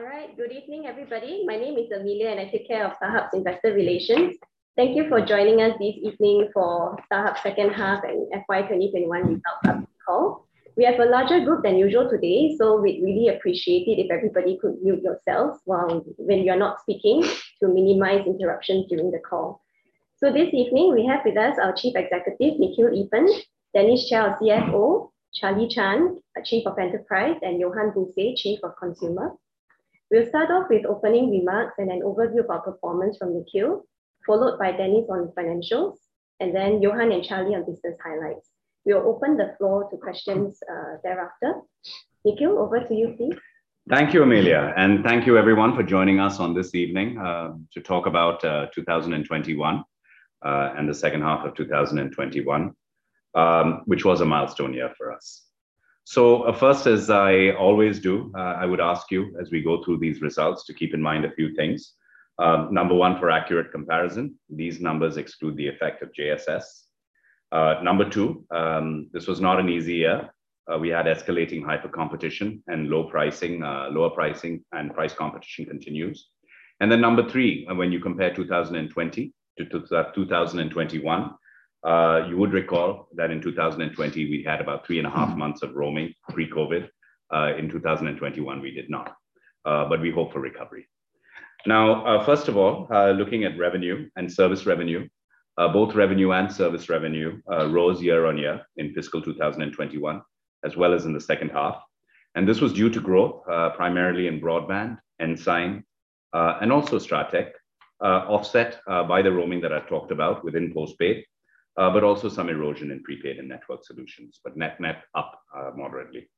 All right. Good evening, everybody. My name is Amelia, and I take care of StarHub's Investor Relations. Thank you for joining us this evening for StarHub's second half and FY 2021 results update call. We have a larger group than usual today, we'd really appreciate it if everybody could mute yourselves while when you're not speaking to minimize interruptions during the call. This evening, we have with us our Chief Executive, Nikhil Eapen, Dennis Chia, our CFO, Charlie Chan, our Chief of Enterprise, and Johan Buse, Chief of Consumer. We'll start off with opening remarks and an overview of our performance from Nikhil, followed by Dennis on financials, and then Johan and Charlie on business highlights. We will open the floor to questions thereafter. Nikhil, over to you, please. Thank you, Amelia. Thank you, everyone, for joining us on this evening, to talk about 2021, and the second half of 2021, which was a milestone year for us. First, as I always do, I would ask you as we go through these results to keep in mind a few things. Number one, for accurate comparison, these numbers exclude the effect of JSS. Number two, this was not an easy year. We had escalating hyper competition and low pricing, lower pricing, and price competition continues. Number three, when you compare 2020 to 2021, you would recall that in 2020, we had about 3.5 months of roaming pre-COVID. In 2021, we did not, but we hope for recovery. First of all, looking at revenue and service revenue, both revenue and service revenue rose year-on-year in fiscal 2021 as well as in the second half. This was due to growth primarily in broadband and Ensign, and also Strateq, offset by the roaming that I talked about within postpaid, but also some erosion in prepaid and network solutions. Net net up moderately.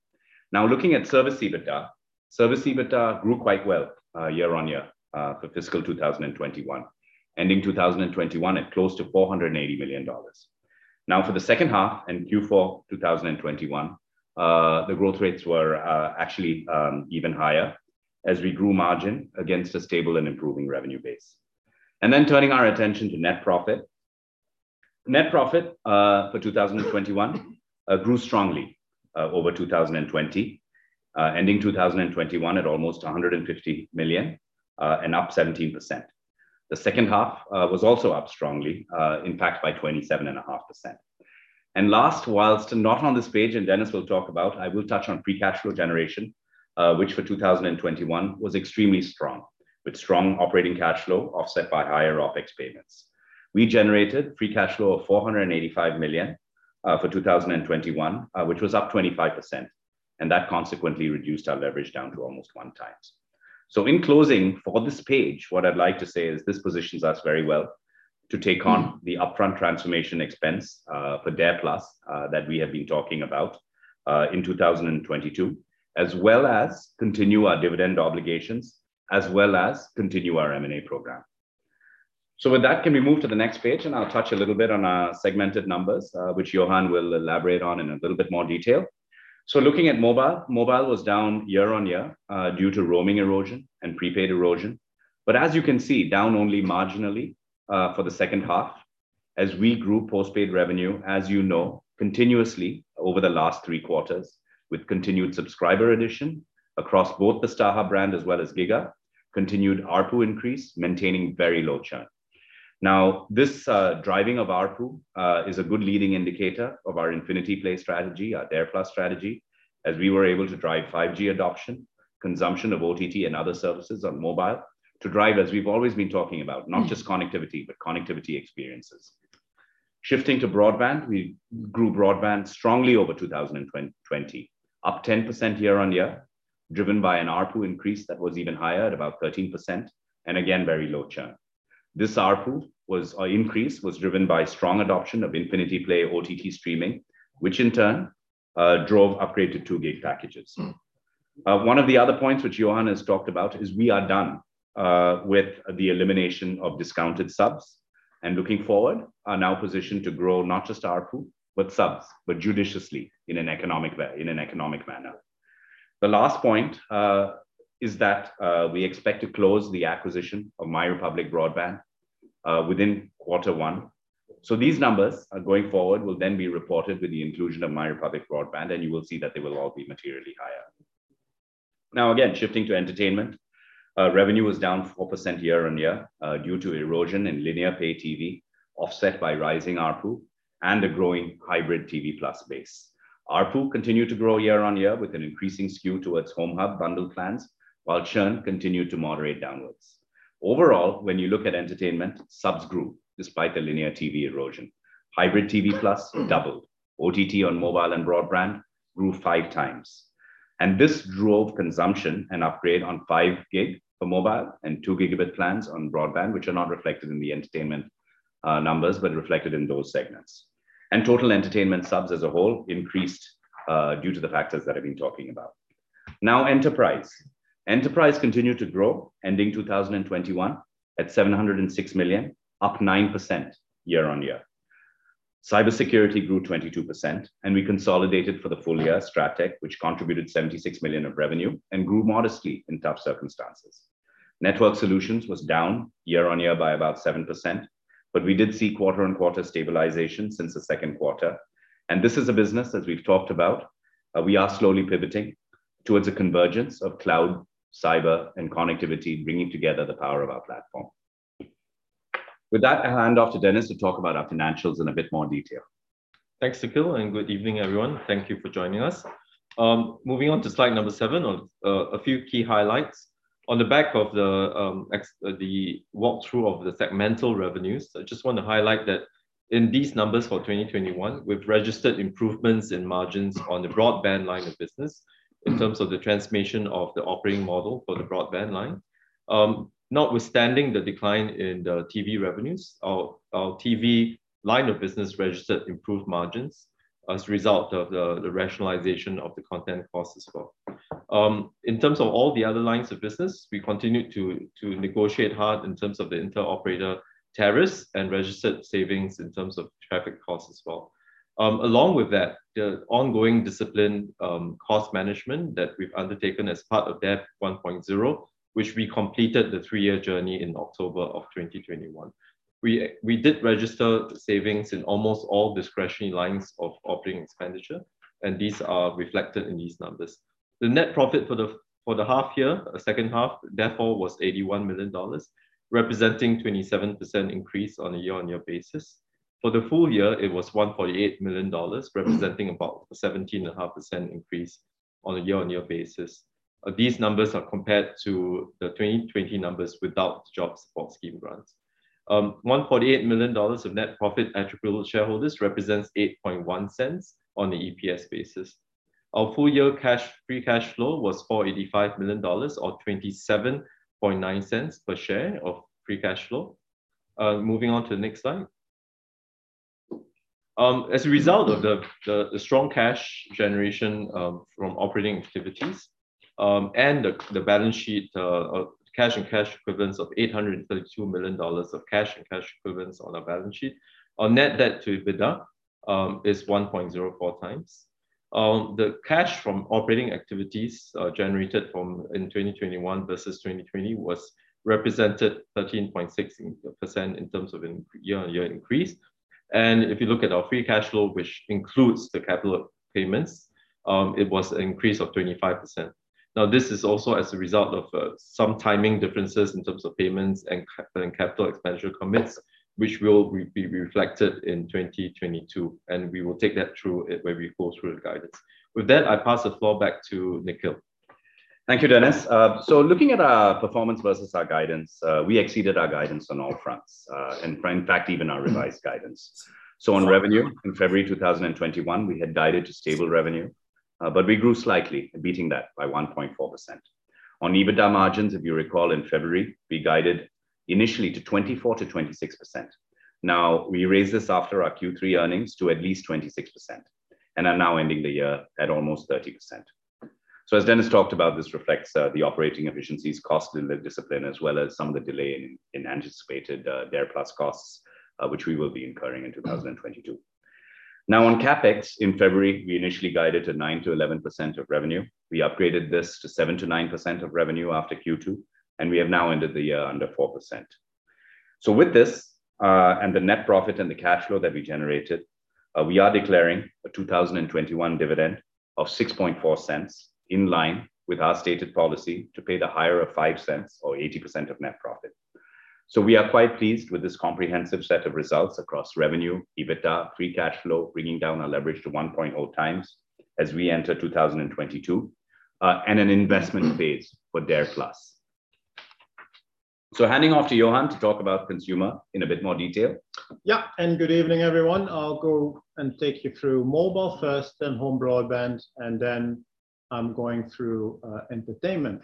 Looking at Service EBITDA. Service EBITDA grew quite well year-on-year for fiscal 2021. Ending 2021 at close to 480 million dollars. For the second half and Q4 2021, the growth rates were actually even higher as we grew margin against a stable and improving revenue base. Turning our attention to net profit. Net profit for 2021 grew strongly over 2020, ending 2021 at almost 150 million and up 17%. The second half was also up strongly, in fact, by 27.5%. Last, whilst not on this page, Dennis will talk about, I will touch on free cash flow generation, which for 2021 was extremely strong, with strong operating cash flow offset by higher OpEx payments. We generated free cash flow of 485 million for 2021, which was up 25%, and that consequently reduced our leverage down to almost 1x. In closing, for this page, what I'd like to say is this positions us very well to take on the upfront transformation expense for DARE+, that we have been talking about in 2022, as well as continue our dividend obligations, as well as continue our M&A program. With that, can we move to the next page? I'll touch a little bit on our segmented numbers, which Johan Buse will elaborate on in a little bit more detail. Looking at mobile. Mobile was down year-on-year due to roaming erosion and prepaid erosion. As you can see, down only marginally for the second half as we grew postpaid revenue, you know, continuously over the last three quarters with continued subscriber addition across both the StarHub brand as well as giga!, continued ARPU increase, maintaining very low churn. Now, this driving of ARPU is a good leading indicator of our Infinity Play strategy, our DARE+ strategy, as we were able to drive 5G adoption, consumption of OTT and other services on mobile to drive, as we've always been talking about, not just connectivity, but connectivity experiences. Shifting to broadband. We grew broadband strongly over 2020, up 10% year-on-year, driven by an ARPU increase that was even higher at about 13%, and again, very low churn. This ARPU increase was driven by strong adoption of Infinity Play OTT streaming, which in turn, drove upgrade to 2 Gig packages. One of the other points which Johan has talked about is we are done with the elimination of discounted subs and looking forward are now positioned to grow not just ARPU, but subs, but judiciously in an economic way, in an economic manner. The last point is that we expect to close the acquisition of MyRepublic Broadband within quarter one. These numbers, going forward, will then be reported with the inclusion of MyRepublic Broadband, and you will see that they will all be materially higher. Again, shifting to entertainment. Revenue was down 4% year-over-year due to erosion in linear pay TV, offset by rising ARPU and a growing StarHub TV+ base. ARPU continued to grow year-over-year with an increasing skew towards HomeHub+ bundle plans, while churn continued to moderate downwards. Overall, when you look at entertainment, subs grew despite the linear TV erosion. Hybrid TV Plus doubled. OTT on mobile and broadband grew five times. This drove consumption and upgrade on 5G for mobile and 2 Gig plans on broadband, which are not reflected in the entertainment numbers, but reflected in those segments. Total entertainment subs as a whole increased due to the factors that I've been talking about. Now, enterprise. Enterprise continued to grow ending 2021 at 706 million, up 9% year-on-year. Cybersecurity grew 22%, and we consolidated for the full year Strateq, which contributed 76 million of revenue and grew modestly in tough circumstances. Network solutions was down year-on-year by about 7%, but we did see quarter-on-quarter stabilization since the second quarter. This is a business, as we've talked about, we are slowly pivoting towards a convergence of cloud, cyber and connectivity, bringing together the power of our platform. With that, I'll hand off to Dennis to talk about our financials in a bit more detail. Thanks, Nikhil, good evening, everyone. Thank you for joining us. Moving on to slide number seven on a few key highlights. On the back of the walk-through of the segmental revenues, I just want to highlight that in these numbers for 2021, we've registered improvements in margins on the broadband line of business in terms of the transmission of the operating model for the broadband line. Notwithstanding the decline in the TV revenues, our TV line of business registered improved margins as a result of the rationalization of the content costs as well. In terms of all the other lines of business, we continued to negotiate hard in terms of the inter-operator tariffs and registered savings in terms of traffic costs as well. Along with that, the ongoing discipline, cost management that we've undertaken as part of DARE 1.0, which we completed the three-year journey in October 2021. We did register savings in almost all discretionary lines of operating expenditure, and these are reflected in these numbers. The net profit for the half year, second half, therefore was 81 million dollars, representing 27% increase on a year-on-year basis. For the full year, it was 1.8 million dollars, representing about a 17.5% increase on a year-on-year basis. These numbers are compared to the 2020 numbers without the Jobs Support Scheme grants. 1.8 million dollars of net profit attributable to shareholders represents 0.081 on the EPS basis. Our full year cash, free cash flow was 485 million dollars or 0.279 per share of free cash flow. Moving on to the next slide. As a result of the strong cash generation from operating activities and the balance sheet, cash and cash equivalents of 832 million dollars of cash and cash equivalents on our balance sheet, our net debt to EBITDA is 1.04 times. The cash from operating activities generated from in 2021 versus 2020 was represented 13.6% in terms of a year-on-year increase. If you look at our free cash flow, which includes the capital payments, it was an increase of 25%. This is also as a result of some timing differences in terms of payments and capital expenditure commits, which will be reflected in 2022, and we will take that through when we go through the guidance. With that, I pass the floor back to Nikhil. Thank you, Dennis. Looking at our performance versus our guidance, we exceeded our guidance on all fronts, and in fact, even our revised guidance. On revenue in February 2021, we had guided to stable revenue, but we grew slightly, beating that by 1.4%. On EBITDA margins, if you recall in February, we guided initially to 24%-26%. Now, we raised this after our Q3 earnings to at least 26% and are now ending the year at almost 30%. As Dennis talked about, this reflects the operating efficiencies cost and the discipline, as well as some of the delay in anticipated DARE+ costs, which we will be incurring in 2022. On CapEx in February, we initially guided to 9%-11% of revenue. We upgraded this to 7%-9% of revenue after Q2, and we have now ended the year under 4%. With this, and the net profit and the cash flow that we generated, we are declaring a 2021 dividend of 0.064 in line with our stated policy to pay the higher of 0.05 or 80% of net profit. We are quite pleased with this comprehensive set of results across revenue, EBITDA, free cash flow, bringing down our leverage to 1.0x as we enter 2022, and an investment phase for DARE+. Handing off to Johan to talk about consumer in a bit more detail. Good evening, everyone. I'll go and take you through mobile first, then home broadband, then going through entertainment.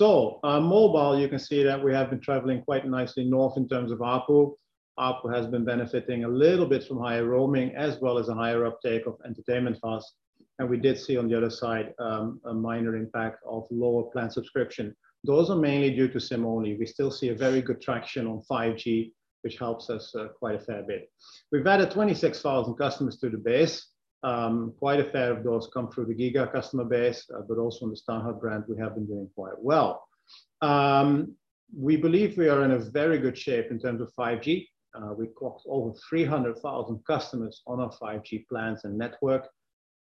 On mobile, you can see that we have been traveling quite nicely north in terms of ARPU. ARPU has been benefiting a little bit from higher roaming as well as a higher uptake of entertainment costs. We did see on the other side, a minor impact of lower plan subscription. Those are mainly due to SIM-only. We still see a very good traction on 5G, which helps us quite a fair bit. We've added 26,000 customers to the base. Quite a fair of those come through the giga! customer base, but also on the StarHub brand, we have been doing quite well. We believe we are in a very good shape in terms of 5G. We clocked over 300,000 customers on our 5G plans and network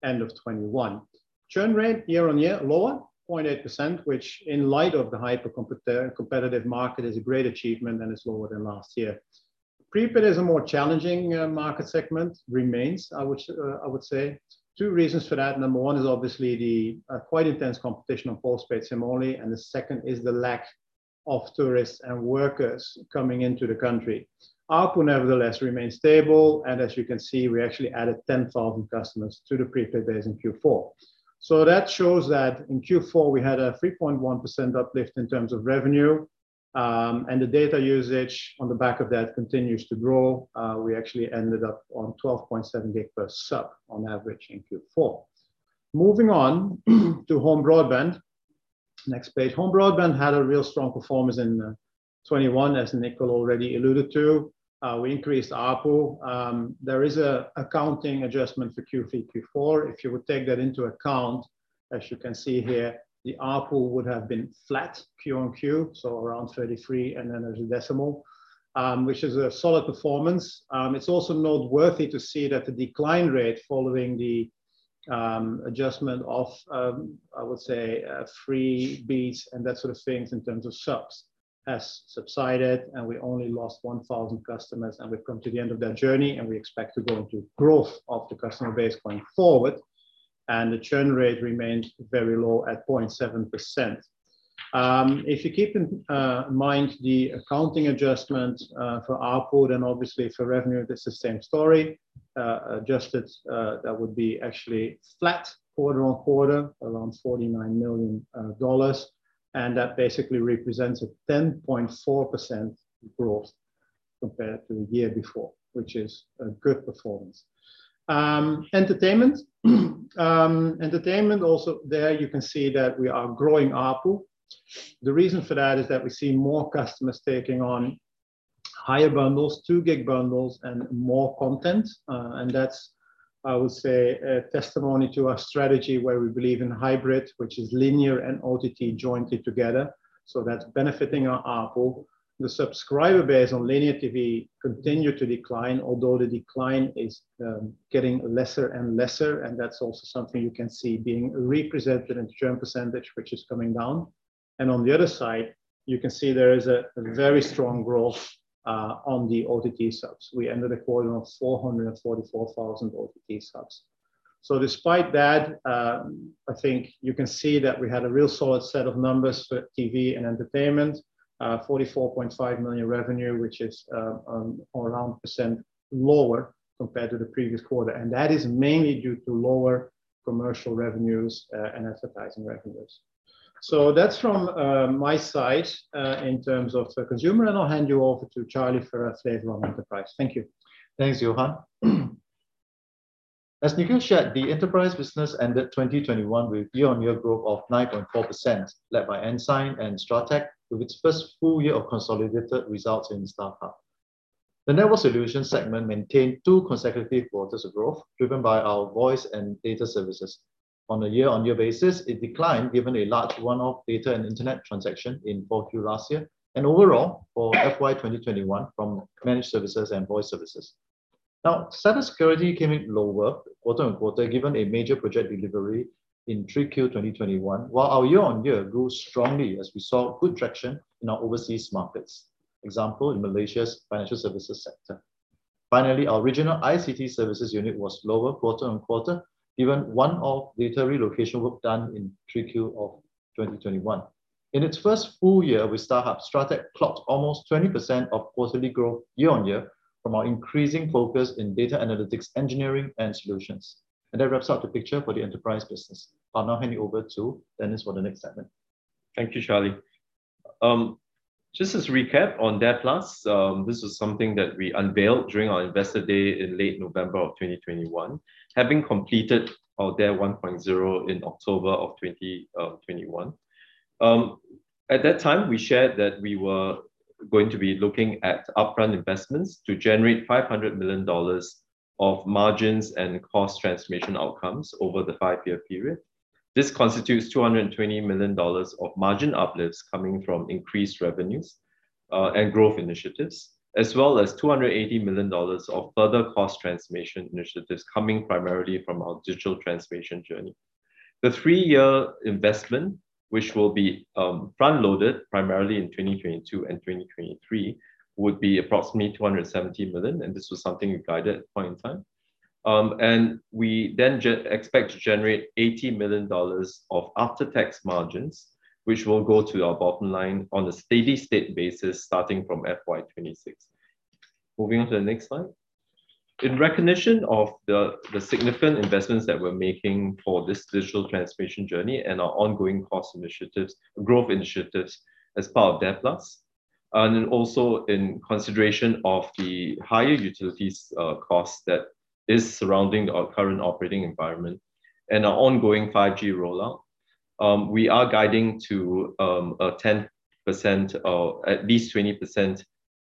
end of 2021. Churn rate year-on-year lower, 0.8%, which in light of the hypercompetitive market is a great achievement and is lower than last year. Prepaid is a more challenging market segment, remains, I would say. Two reasons for that. Number one is obviously the quite intense competition on post-paid SIM-only, and the second is the lack of tourists and workers coming into the country. ARPU, nevertheless, remains stable, and as you can see, we actually added 10,000 customers to the prepaid base in Q4. That shows that in Q4, we had a 3.1% uplift in terms of revenue, and the data usage on the back of that continues to grow. We actually ended up on 12.7 Gig per sub on average in Q4. Moving on to home broadband. Next page. Home broadband had a real strong performance in 2021, as Nikhil already alluded to. We increased ARPU. There is a accounting adjustment for Q3, Q4. If you would take that into account, as you can see here, the ARPU would have been flat Q-on-Q, so around 33, and then there's a decimal, which is a solid performance. It's also noteworthy to see that the decline rate following the adjustment of, I would say, freebies and that sort of things in terms of subs has subsided, and we only lost 1,000 customers, and we've come to the end of their journey, and we expect to go into growth of the customer base going forward. The churn rate remains very low at 0.7%. If you keep in mind the accounting adjustment for ARPU, and obviously for revenue, that's the same story. Adjusted, that would be actually flat quarter on quarter, around 49 million dollars, and that basically represents a 10.4% growth compared to the year before, which is a good performance. Entertainment. Entertainment also there you can see that we are growing ARPU. The reason for that is that we see more customers taking on higher bundles, 2 Gig bundles and more content. That's, I would say, a testimony to our strategy where we believe in hybrid, which is linear and OTT jointly together, so that's benefiting our ARPU. The subscriber base on linear TV continued to decline, although the decline is getting lesser and lesser, and that's also something you can see being represented in churn percentage, which is coming down. On the other side, you can see there is a very strong growth on the OTT subs. We ended the quarter of 444,000 OTT subs. Despite that, I think you can see that we had a real solid set of numbers for TV and entertainment. 44.5 million revenue, which is around 1% lower compared to the previous quarter, and that is mainly due to lower commercial revenues and advertising revenues. That's from my side in terms of the consumer, and I'll hand you over to Charlie for a state of our enterprise. Thank you. Thanks, Johan. As Nikhil shared, the enterprise business ended 2021 with year-on-year growth of 9.4%, led by Ensign and Strateq, with its first full year of consolidated results in StarHub. The network solutions segment maintained two consecutive quarters of growth, driven by our voice and data services. On a year-on-year basis, it declined given a large one-off data and internet transaction in 4Q last year, and overall for FY 2021 from managed services and voice services. Cybersecurity came in lower quarter-on-quarter, given a major project delivery in 3Q 2021, while our year-on-year grew strongly as we saw good traction in our overseas markets, example, in Malaysia's financial services sector. Finally, our Regional ICT services unit was lower quarter-on-quarter, given one-off data relocation work done in 3Q of 2021. In its first full year with StarHub, Strateq clocked almost 20% of quarterly growth year-on-year from our increasing focus in data analytics engineering and solutions. That wraps up the picture for the Enterprise Business. I'll now hand you over to Dennis for the next segment. Thank you, Charlie. Just as recap on DARE+, this is something that we unveiled during our investor day in late November 2021. Having completed our DARE 1.0 in October 2021. At that time, we shared that we were going to be looking at upfront investments to generate 500 million dollars of margins and cost transformation outcomes over the five-year period. This constitutes 220 million dollars of margin uplifts coming from increased revenues and growth initiatives, as well as 280 million dollars of further cost transformation initiatives coming primarily from our digital transformation journey. The three-year investment, which will be front-loaded primarily in 2022 and 2023, would be approximately 270 million, and this was something we guided at that point in time. We then expect to generate 80 million dollars of after-tax margins, which will go to our bottom line on a steady-state basis starting from FY 2026. Moving on to the next slide. In recognition of the significant investments that we're making for this digital transformation journey and our ongoing cost initiatives, growth initiatives as part of DARE+, and then also in consideration of the higher utilities, costs that is surrounding our current operating environment and our ongoing 5G rollout, we are guiding to a 10% or at least 20%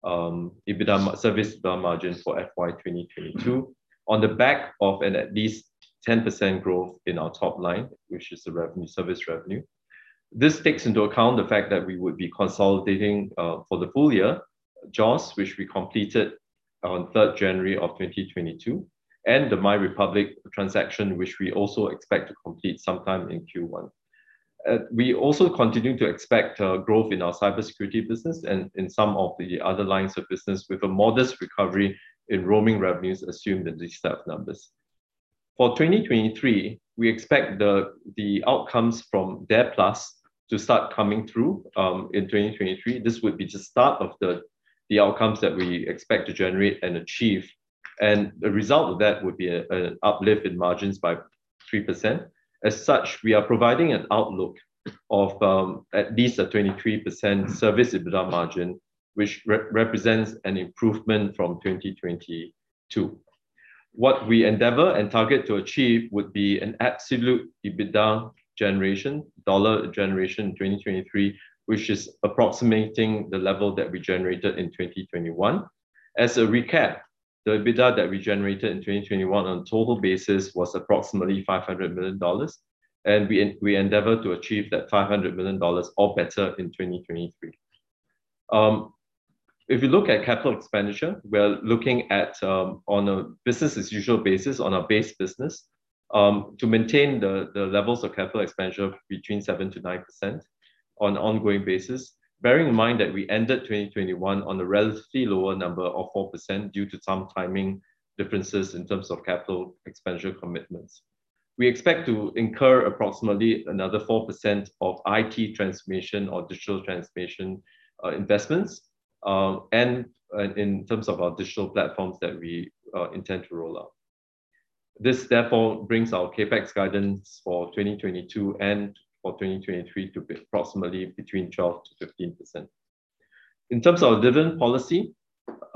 Service EBITDA margin for FY 2022 on the back of an at least 10% growth in our top line, which is the revenue, service revenue. This takes into account the fact that we would be consolidating for the full year, JOS, which we completed on 3rd January of 2022, and the MyRepublic transaction, which we also expect to complete sometime in Q1. We also continue to expect growth in our cybersecurity business and in some of the other lines of business with a modest recovery in roaming revenues assumed in these staff numbers. For 2023, we expect the outcomes from DARE+ to start coming through in 2023. This would be the start of the outcomes that we expect to generate and achieve. The result of that would be an uplift in margins by 3%. As such, we are providing an outlook of at least a 23% Service EBITDA margin, which represents an improvement from 2022. What we endeavor and target to achieve would be an absolute EBITDA generation, dollar generation in 2023, which is approximating the level that we generated in 2021. As a recap, the EBITDA that we generated in 2021 on a total basis was approximately 500 million dollars, and we endeavor to achieve that 500 million dollars or better in 2023. If you look at capital expenditure, we're looking at on a business as usual basis on our base business to maintain the levels of capital expenditure between 7%-9% on an ongoing basis, bearing in mind that we ended 2021 on a relatively lower number of 4% due to some timing differences in terms of capital expenditure commitments. We expect to incur approximately another 4% of IT transformation or digital transformation investments in terms of our digital platforms that we intend to roll out. This therefore brings our CapEx guidance for 2022 and for 2023 to be approximately between 12%-15%. In terms of our dividend policy,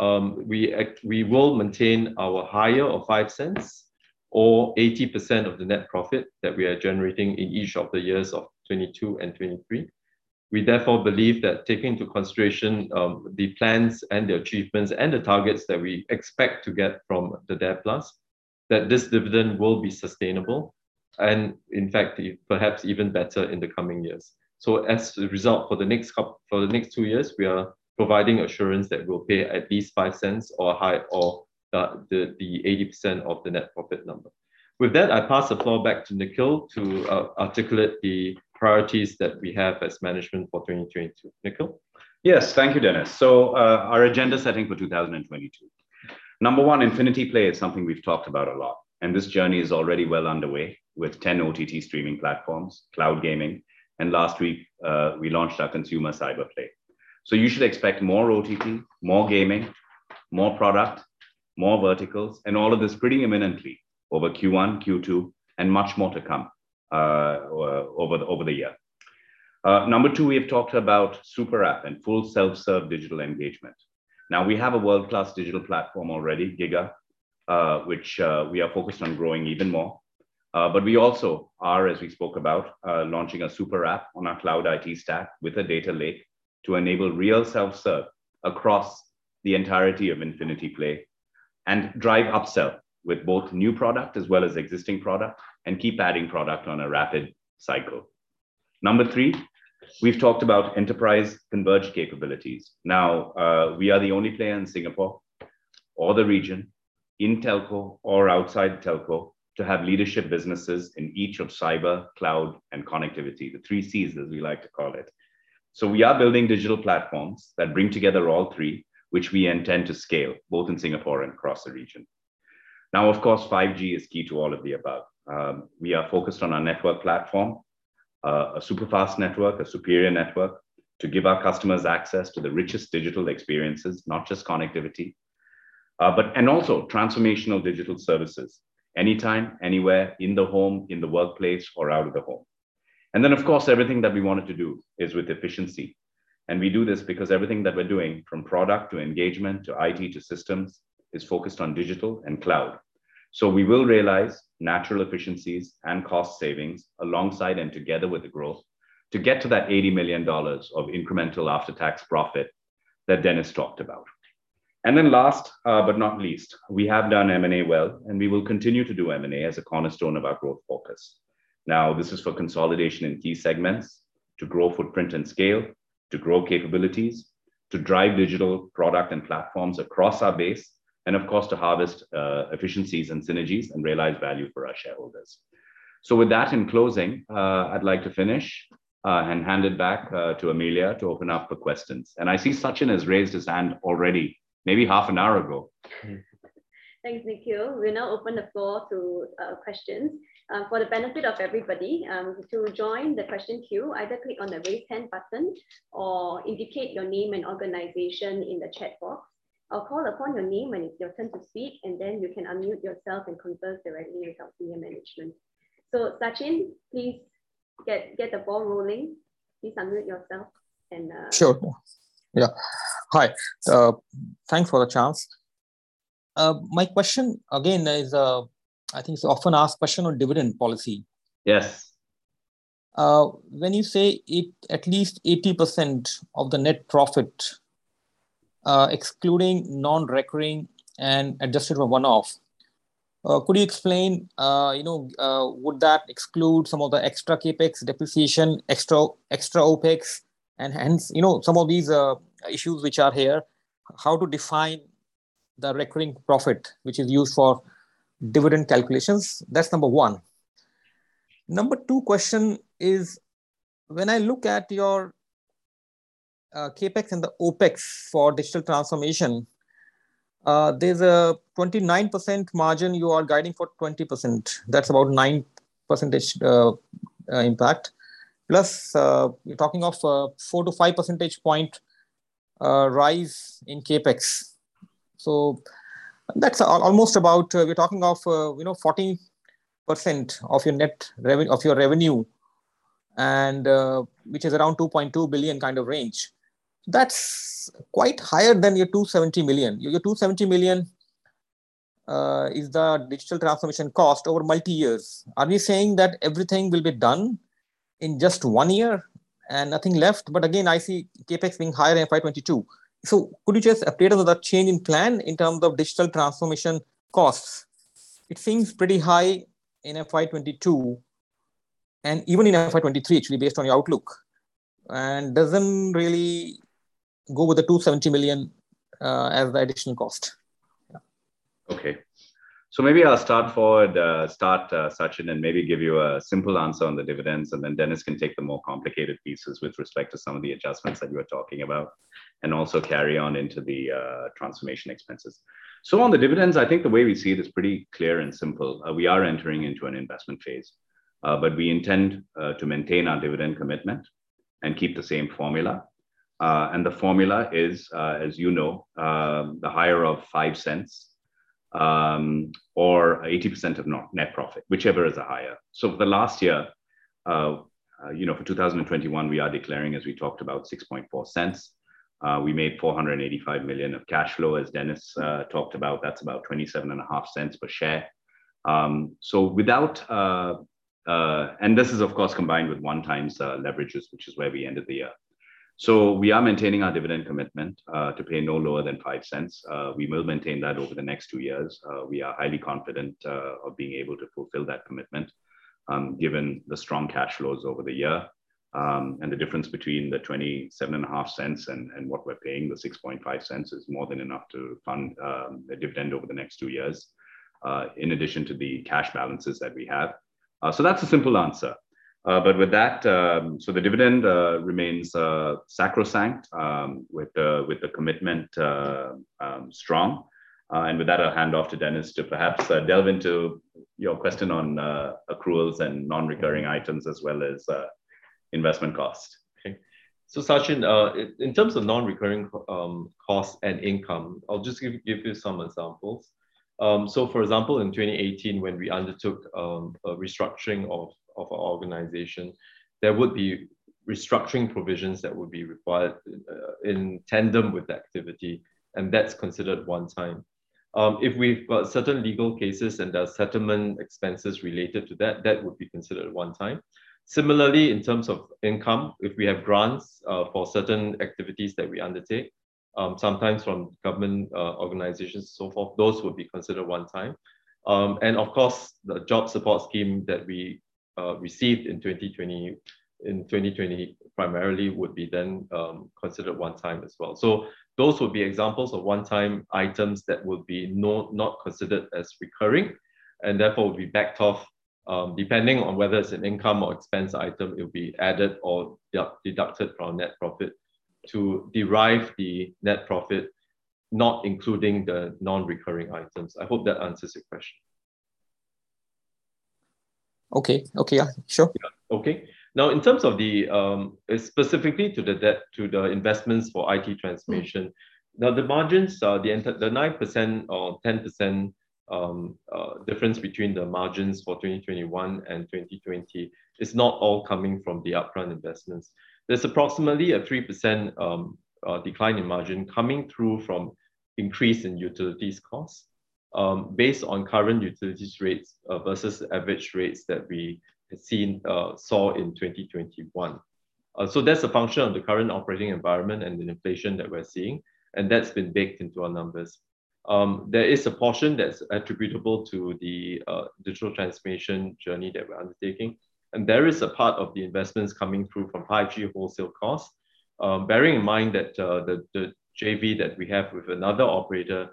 we will maintain our higher of 0.05 or 80% of the net profit that we are generating in each of the years of 2022 and 2023. We therefore believe that taking into consideration the plans and the achievements and the targets that we expect to get from the DARE+, that this dividend will be sustainable and in fact, perhaps even better in the coming years. As a result, for the next two years, we are providing assurance that we'll pay at least 0.05 or the 80% of the net profit number. With that, I pass the floor back to Nikhil to articulate the priorities that we have as management for 2022. Nikhil? Yes. Thank you, Dennis. Our agenda setting for 2022. Number one, Infinity Play is something we've talked about a lot, and this journey is already well underway with 10 OTT streaming platforms, cloud gaming, and last week, we launched our consumer CyberProtect. You should expect more OTT, more gaming, more product, more verticals, and all of this pretty imminently over Q1, Q2, and much more to come over the year. Number two, we have talked about super app and full self-serve digital engagement. Now, we have a world-class digital platform already, giga!, which we are focused on growing even more. We also are, as we spoke about, launching a super app on our cloud IT stack with a data lake to enable real self-serve across the entirety of Infinity Play and drive upsell with both new product as well as existing product and keep adding product on a rapid cycle. Number three, we've talked about enterprise converged capabilities. We are the only player in Singapore or the region, in telco or outside telco, to have leadership businesses in each of cyber, cloud, and connectivity, the three Cs as we like to call it. We are building digital platforms that bring together all three, which we intend to scale both in Singapore and across the region. Of course, 5G is key to all of the above. We are focused on our network platform, a superfast network, a superior network to give our customers access to the richest digital experiences, not just connectivity, but and also transformational digital services anytime, anywhere in the home, in the workplace or out of the home. Of course, everything that we wanted to do is with efficiency. We do this because everything that we're doing from product to engagement to IT to systems is focused on digital and cloud. We will realize natural efficiencies and cost savings alongside and together with the growth to get to that 80 million dollars of incremental after-tax profit that Dennis talked about. Last, but not least, we have done M&A well, and we will continue to do M&A as a cornerstone of our growth focus. This is for consolidation in key segments to grow footprint and scale, to grow capabilities, to drive digital product and platforms across our base, and of course, to harvest efficiencies and synergies and realize value for our shareholders. With that, in closing, I'd like to finish and hand it back to Amelia to open up for questions. I see Sachin has raised his hand already, maybe half an hour ago. Thanks, Nikhil. We'll now open the floor to questions. For the benefit of everybody, to join the question queue, either click on the Raise Hand button or indicate your name and organization in the chat box. I'll call upon your name when it's your turn to speak, and then you can unmute yourself and converse directly with our senior management. Sachin, please get the ball rolling. Please unmute yourself. Sure. Yeah. Hi. Thanks for the chance. My question again is, I think it's an often asked question on dividend policy. Yes. When you say it at least 80% of the net profit, excluding non-recurring and adjusted for one-off, could you explain, you know, would that exclude some of the extra CapEx depreciation, extra OpEx, and hence, you know, some of these issues which are here, how to define the recurring profit, which is used for dividend calculations? That's number one. Number two question is, when I look at your CapEx and the OpEx for digital transformation, there's a 29% margin, you are guiding for 20%. That's about 9 percentage impact. You're talking of 4-5 percentage point rise in CapEx. That's almost about, we're talking of, you know, 14% of your revenue and, which is around 2.2 billion kind of range. That's quite higher than your 270 million. Your 270 million is the digital transformation cost over multi years. Are we saying that everything will be done in just one year and nothing left? Again, I see CapEx being higher in FY 2022. Could you just update us on that change in plan in terms of digital transformation costs? It seems pretty high in FY 2022 and even in FY 2023 actually based on your outlook, and doesn't really go with the 270 million as the additional cost. Yeah. Okay. Maybe I'll start forward, start Sachin and maybe give you a simple answer on the dividends, and then Dennis can take the more complicated pieces with respect to some of the adjustments that you are talking about, and also carry on into the transformation expenses. We are entering into an investment phase, but we intend to maintain our dividend commitment and keep the same formula. And the formula is, as you know, the higher of 0.05 or 80% of net profit, whichever is higher. For the last year, you know, for 2021, we are declaring, as we talked about, 0.064. We made 485 million of cash flow, as Dennis talked about. That's about 0.275 per share. This is of course, combined with 1x leverages, which is where we ended the year. We are maintaining our dividend commitment to pay no lower than 0.05. We will maintain that over the next two years. We are highly confident of being able to fulfill that commitment, given the strong cash flows over the year. The difference between the 0.275 and what we're paying, the 0.065, is more than enough to fund a dividend over the next two years, in addition to the cash balances that we have. That's a simple answer. With that, the dividend remains sacrosanct with the commitment strong. With that, I'll hand off to Dennis to perhaps delve into your question on accruals and non-recurring items as well as investment cost. Okay. Sachin, in terms of non-recurring costs and income, I'll just give you some examples. For example, in 2018 when we undertook a restructuring of our organization, there would be restructuring provisions that would be required in tandem with the activity, and that's considered one time. If we've got certain legal cases and there are settlement expenses related to that would be considered one time. Similarly, in terms of income, if we have grants for certain activities that we undertake, sometimes from government organizations, so forth, those would be considered one time. Of course, the Job Support Scheme that we received in 2020 primarily would be then considered one time as well. Those would be examples of one-time items that would be not considered as recurring, and therefore would be backed off, depending on whether it's an income or expense item, it would be added or, yeah, deducted from net profit to derive the net profit, not including the non-recurring items. I hope that answers your question. Okay. Okay, yeah. Sure. Yeah. Okay. In terms of the specifically to the debt, to the investments for IT transformation, the margins are the 9% or 10% difference between the margins for 2021 and 2020 is not all coming from the upfront investments. There's approximately a 3% decline in margin coming through from increase in utilities costs, based on current utilities rates versus average rates that we had seen, saw in 2021. That's a function of the current operating environment and the inflation that we're seeing, and that's been baked into our numbers. There is a portion that's attributable to the digital transformation journey that we're undertaking, and there is a part of the investments coming through from 5G wholesale cost. Bearing in mind that the JV that we have with another operator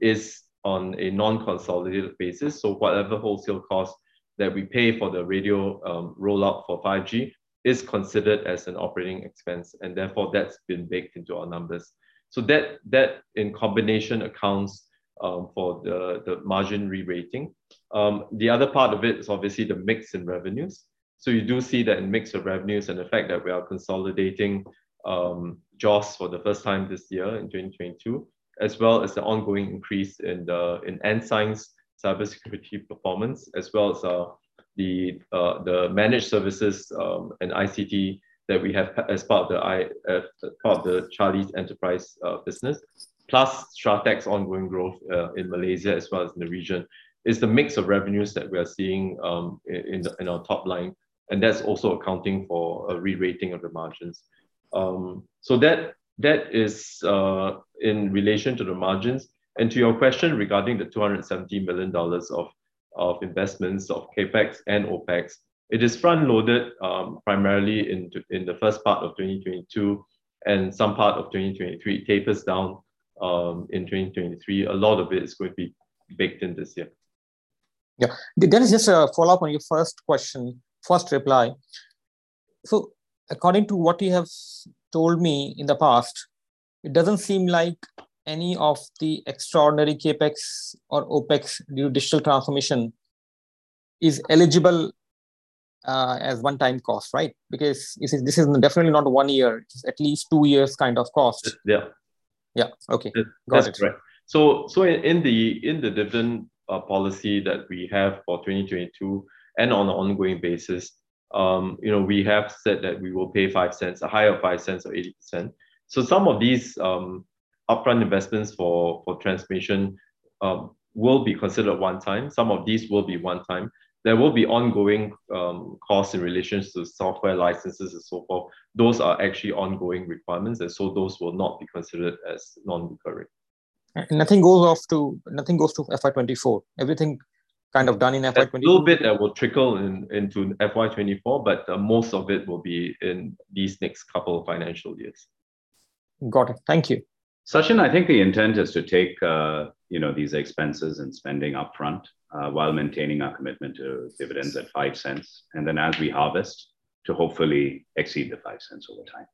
is on a non-consolidated basis. Whatever wholesale cost that we pay for the radio rollout for 5G is considered as an operating expense, and therefore that's been baked into our numbers. That in combination accounts for the margin re-rating. The other part of it is obviously the mix in revenues. You do see that in mix of revenues and the fact that we are consolidating JOS for the first time this year in 2022, as well as the ongoing increase in Ensign InfoSecurity's cybersecurity performance, as well as the managed services and ICT that we have as part of the Charlie's enterprise business, plus Strateq ongoing growth in Malaysia as well as in the region, is the mix of revenues that we are seeing in our top line, and that's also accounting for a re-rating of the margins. That, that is in relation to the margins. To your question regarding the 270 million dollars of investments of CapEx and OpEx, it is front-loaded, primarily in the first part of 2022 and some part of 2023, tapers down in 2023. A lot of it is going to be baked in this year. Yeah. Dennis, just a follow-up on your first question, first reply. According to what you have told me in the past, it doesn't seem like any of the extraordinary CapEx or OpEx due digital transformation is eligible, as one time cost, right? This is definitely not one year. It's at least two years kind of cost. Yeah. Yeah. Okay. Got it. That's correct. In the dividend policy that we have for 2022 and on an ongoing basis, you know, we have said that we will pay 0.05, a higher 0.05 or 80%. Some of these upfront investments for transmission will be considered one-time. Some of these will be one-time. There will be ongoing costs in relations to software licenses and so forth. Those are actually ongoing requirements, and so those will not be considered as non-recurring. Nothing goes to FY 2024. Everything kind of done in FY 2024. A little bit that will trickle in, into FY 2024, but most of it will be in these next couple of financial years. Got it. Thank you. Sachin, I think the intent is to take, you know, these expenses and spending upfront, while maintaining our commitment to dividends at 0.05. As we harvest to hopefully exceed the 0.05 over time.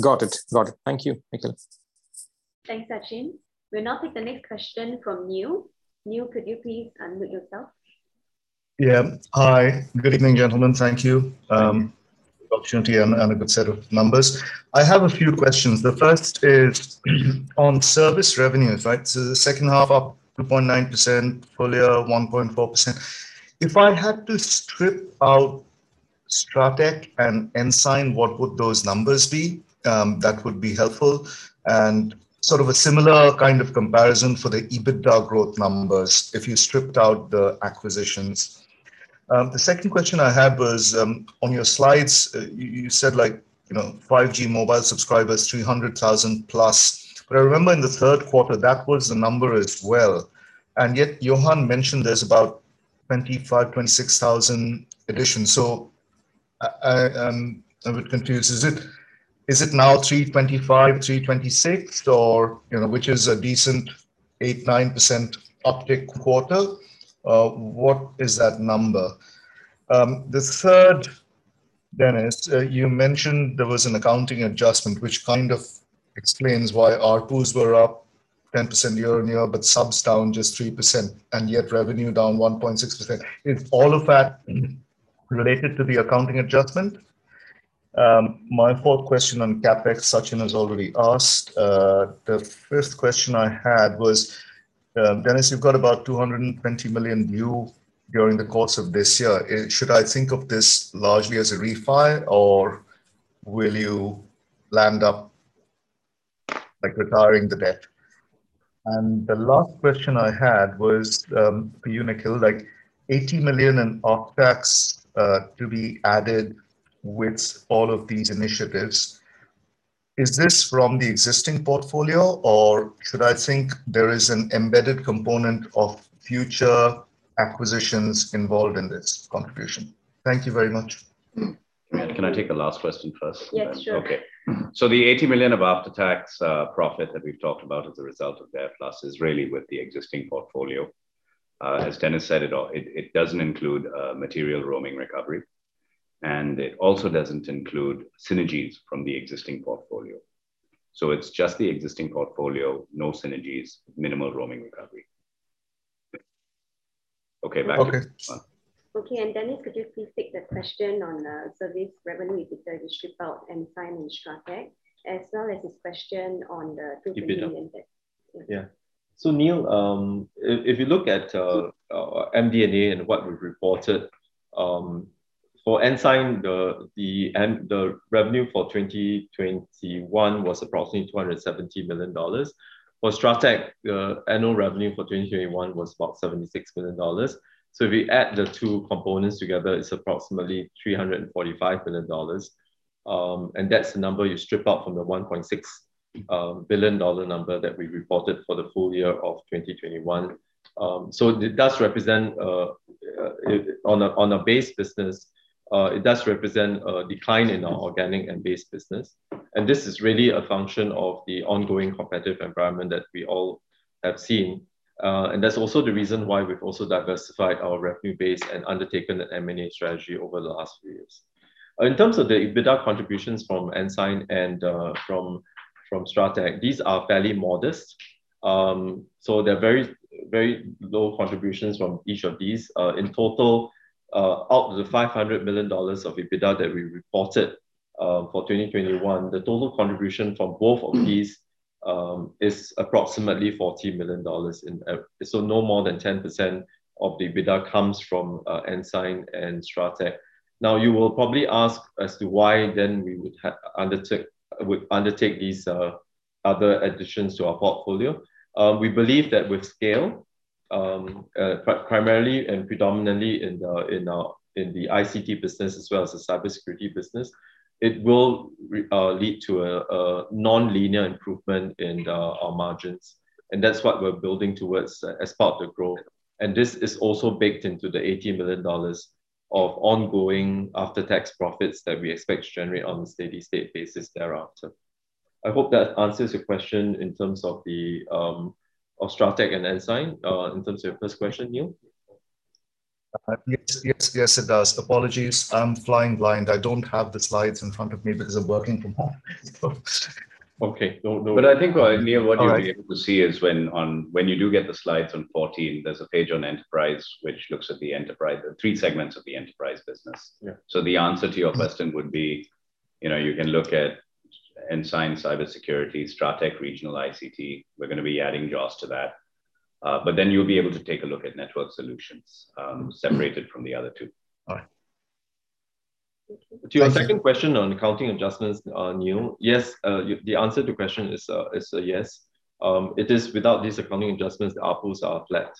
Got it. Thank you, Nikhil. Thanks, Sachin. We'll now take the next question from Neel. Neel, could you please unmute yourself? Yeah. Hi. Good evening, gentlemen. Thank you, for the opportunity and a good set of numbers. I have a few questions. The first is on service revenues, right? The second half up 2.9%, full year 1.4%. If I had to strip out Strateq and Ensign, what would those numbers be? That would be helpful and sort of a similar kind of comparison for the EBITDA growth numbers if you stripped out the acquisitions. The second question I had was on your slides, you said like, you know, 5G mobile subscribers, 300,000+. I remember in the third quarter that was the number as well, and yet Johan mentioned there's about 25,000-26,000 additions. I'm a bit confused. Is it now 325, 326 or, you know, which is a decent 8%-9% uptick quarter? What is that number? The third, Dennis, you mentioned there was an accounting adjustment which kind of explains why ARPUs were up 10% year-on-year, but subs down just 3% and yet revenue down 1.6%. Is all of that related to the accounting adjustment? My fourth question on CapEx, Sachin has already asked. The fifth question I had was, Dennis, you've got about 220 million due during the course of this year. Should I think of this largely as a refi or will you land up, like retiring the debt? The last question I had was, for you, Nikhil, like 80 million in after-tax to be added with all of these initiatives. Is this from the existing portfolio or should I think there is an embedded component of future acquisitions involved in this contribution? Thank you very much. Can I take the last question first? Yeah, sure. Okay. The 80 million of after-tax profit that we've talked about as a result of the DARE+ is really with the existing portfolio. As Dennis said it all, it doesn't include material roaming recovery, and it also doesn't include synergies from the existing portfolio. It's just the existing portfolio, no synergies, minimal roaming recovery. Okay. Okay. Okay. Dennis, could you please take the question on service revenue if you were to strip out Ensign and Strateq, as well as his question on the 220 million in debt? EBITDA. Yeah. Neel, if you look at MD&A and what we've reported, for Ensign the revenue for 2021 was approximately 270 million dollars. For Strateq, the annual revenue for 2021 was about 76 million dollars. If you add the two components together, it's approximately 345 million dollars. That's the number you strip out from the 1.6 billion dollar number that we reported for the full year of 2021. It does represent, on a base business, it does represent a decline in our organic and base business. This is really a function of the ongoing competitive environment that we all have seen. That's also the reason why we've also diversified our revenue base and undertaken the M&A strategy over the last few years. In terms of the EBITDA contributions from Ensign and from Strateq, these are fairly modest. They're very low contributions from each of these. In total, out of the 500 million dollars of EBITDA that we reported for 2021, the total contribution from both of these is approximately 40 million dollars. No more than 10% of the EBITDA comes from Ensign and Strateq. You will probably ask as to why then we would undertake these other additions to our portfolio. We believe that with scale, primarily and predominantly in our, in the ICT business as well as the cybersecurity business, it will lead to a non-linear improvement in our margins. That's what we're building towards as part of the growth. This is also baked into the 80 million dollars of ongoing after-tax profits that we expect to generate on a steady-state basis thereafter. I hope that answers your question in terms of Strateq and Ensign, in terms of your first question, Neel. Yes. Yes, it does. Apologies, I'm flying blind. I don't have the slides in front of me because I'm working from home. Okay. No, no worry. I think, Neel, what you'll be able to see is when you do get the slides on 14, there's a page on enterprise which looks at the enterprise, the three segments of the enterprise business. Yeah. The answer to your question would be. Ensign InfoSecurity, Strateq Regional ICT. We're going to be adding JOS to that. You'll be able to take a look at network solutions, separated from the other two. All right. To your second question on accounting adjustments, Neel. Yes, the answer to your question is a yes. It is without these accounting adjustments, our costs are flat.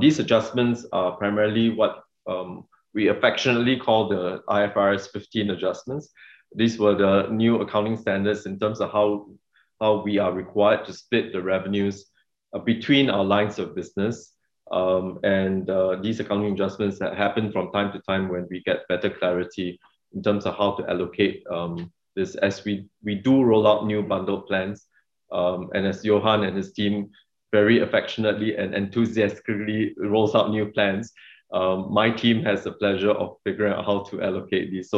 These adjustments are primarily what we affectionately call the IFRS 15 adjustments. These were the new accounting standards in terms of how we are required to split the revenues between our lines of business. These accounting adjustments that happen from time to time when we get better clarity in terms of how to allocate this as we do roll out new bundle plans. As Johan and his team very affectionately and enthusiastically rolls out new plans, my team has the pleasure of figuring out how to allocate these.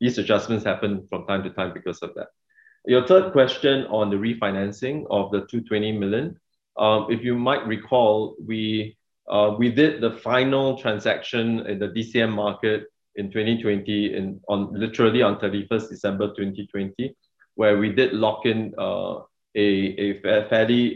These adjustments happen from time to time because of that. Your third question on the refinancing of the 220 million. If you might recall, we did the final transaction in the DCM market in 2020 literally on 31st December 2020, where we did lock in a fairly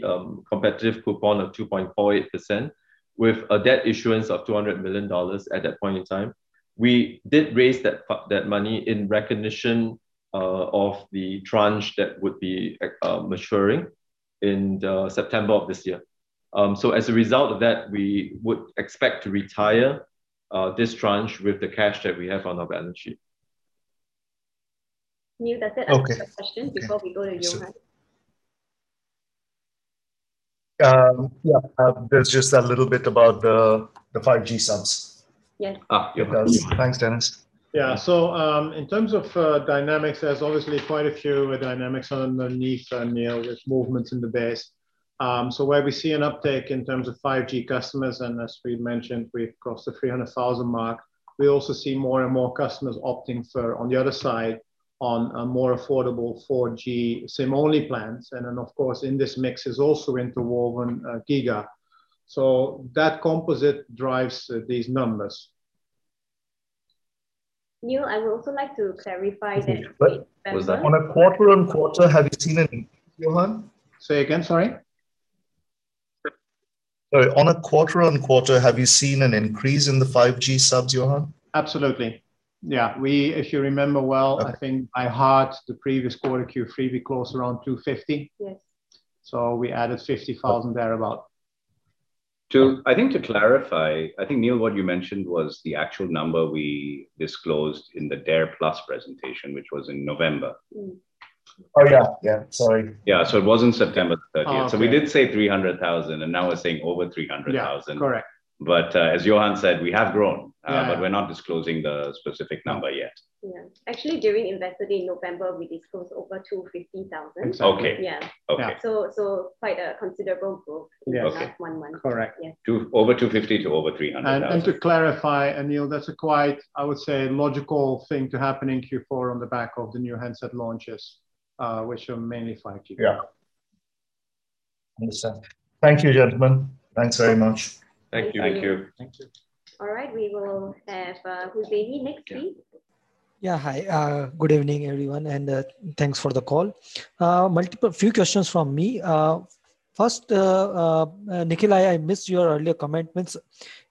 competitive coupon of 2.48% with a debt issuance of 200 million dollars at that point in time. We did raise that money in recognition of the tranche that would be maturing in September of this year. As a result of that, we would expect to retire this tranche with the cash that we have on our balance sheet. Neel, does that answer your question before we go to Johan? Yeah. There's just that little bit about the 5G subs. Yes. Yes. Thanks, Dennis. In terms of dynamics, there's obviously quite a few dynamics underneath Neil, with movements in the base. Where we see an uptick in terms of 5G customers, and as we mentioned, we've crossed the 300,000 mark. We also see more and more customers opting for on the other side on a more affordable 4G SIM-only plans. In this mix is also interwoven giga!. That composite drives these numbers. Neel, I would also like to clarify that. On a quarter-on-quarter, have you seen Johan? Say again, sorry. Sorry. On a quarter-on-quarter, have you seen an increase in the 5G subs, Johan? Absolutely. If you remember well, I think by heart, the previous quarter Q3, we closed around 250. Yes. We added 50,000 thereabout. To clarify, I think, Neel, what you mentioned was the actual number we disclosed in the DARE+ presentation, which was in November. Oh, yeah. Yeah, sorry. Yeah. It was in September 30th. Oh, okay. We did say 300,000, and now we're saying over 300,000. Yeah, correct. As Johan said, we have grown. Yeah. We're not disclosing the specific number yet. Yeah. Actually, during Investor Day in November, we disclosed over 250,000. Okay. Yeah. Okay. Quite a considerable growth. Okay in that one month. Correct. Yeah. over 250,000 to over 300,000. To clarify, Neel, that's a quite, I would say, logical thing to happen in Q4 on the back of the new handset launches, which are mainly 5G. Yeah. Understand. Thank you, gentlemen. Thanks very much. Thank you. Thank you. Thank you. All right. We will have Hussaini next, please. Hi, good evening, everyone, thanks for the call. Few questions from me. First, Nikhil, I missed your earlier comments.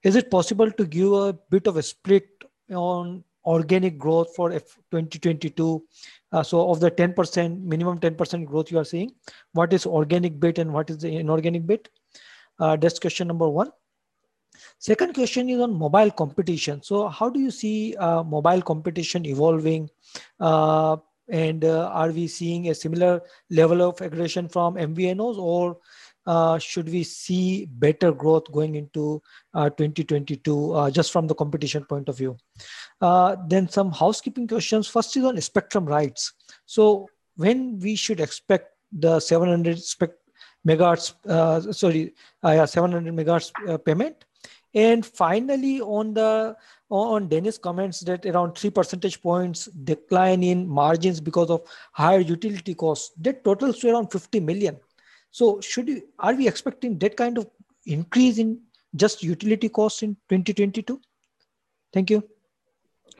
Is it possible to give a bit of a split on organic growth for FY 2022? Of the 10%, minimum 10% growth you are seeing, what is organic bit and what is the inorganic bit? That's question number one. Second question is on mobile competition. How do you see mobile competition evolving? Are we seeing a similar level of aggression from MVNOs or should we see better growth going into 2022, just from the competition point of view? Some housekeeping questions. First is on spectrum rights. When we should expect the 700 MHz payment. Finally, on Dennis comments that around 3 percentage points decline in margins because of higher utility costs. That totals to around 50 million. Are we expecting that kind of increase in just utility costs in 2022? Thank you.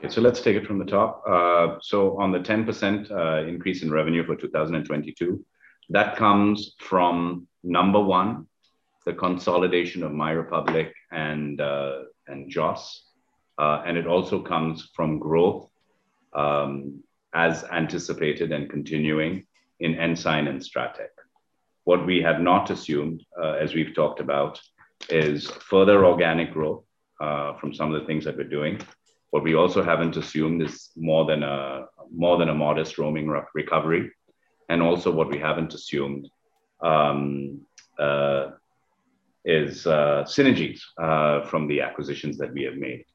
Okay. Let's take it from the top. On the 10% increase in revenue for 2022, that comes from, number one, the consolidation of MyRepublic and JOS. It also comes from growth, as anticipated and continuing in Ensign and Strateq. What we have not assumed, as we've talked about, is further organic growth from some of the things that we're doing. What we also haven't assumed is more than a modest roaming re-recovery. What we haven't assumed is synergies from the acquisitions that we have made.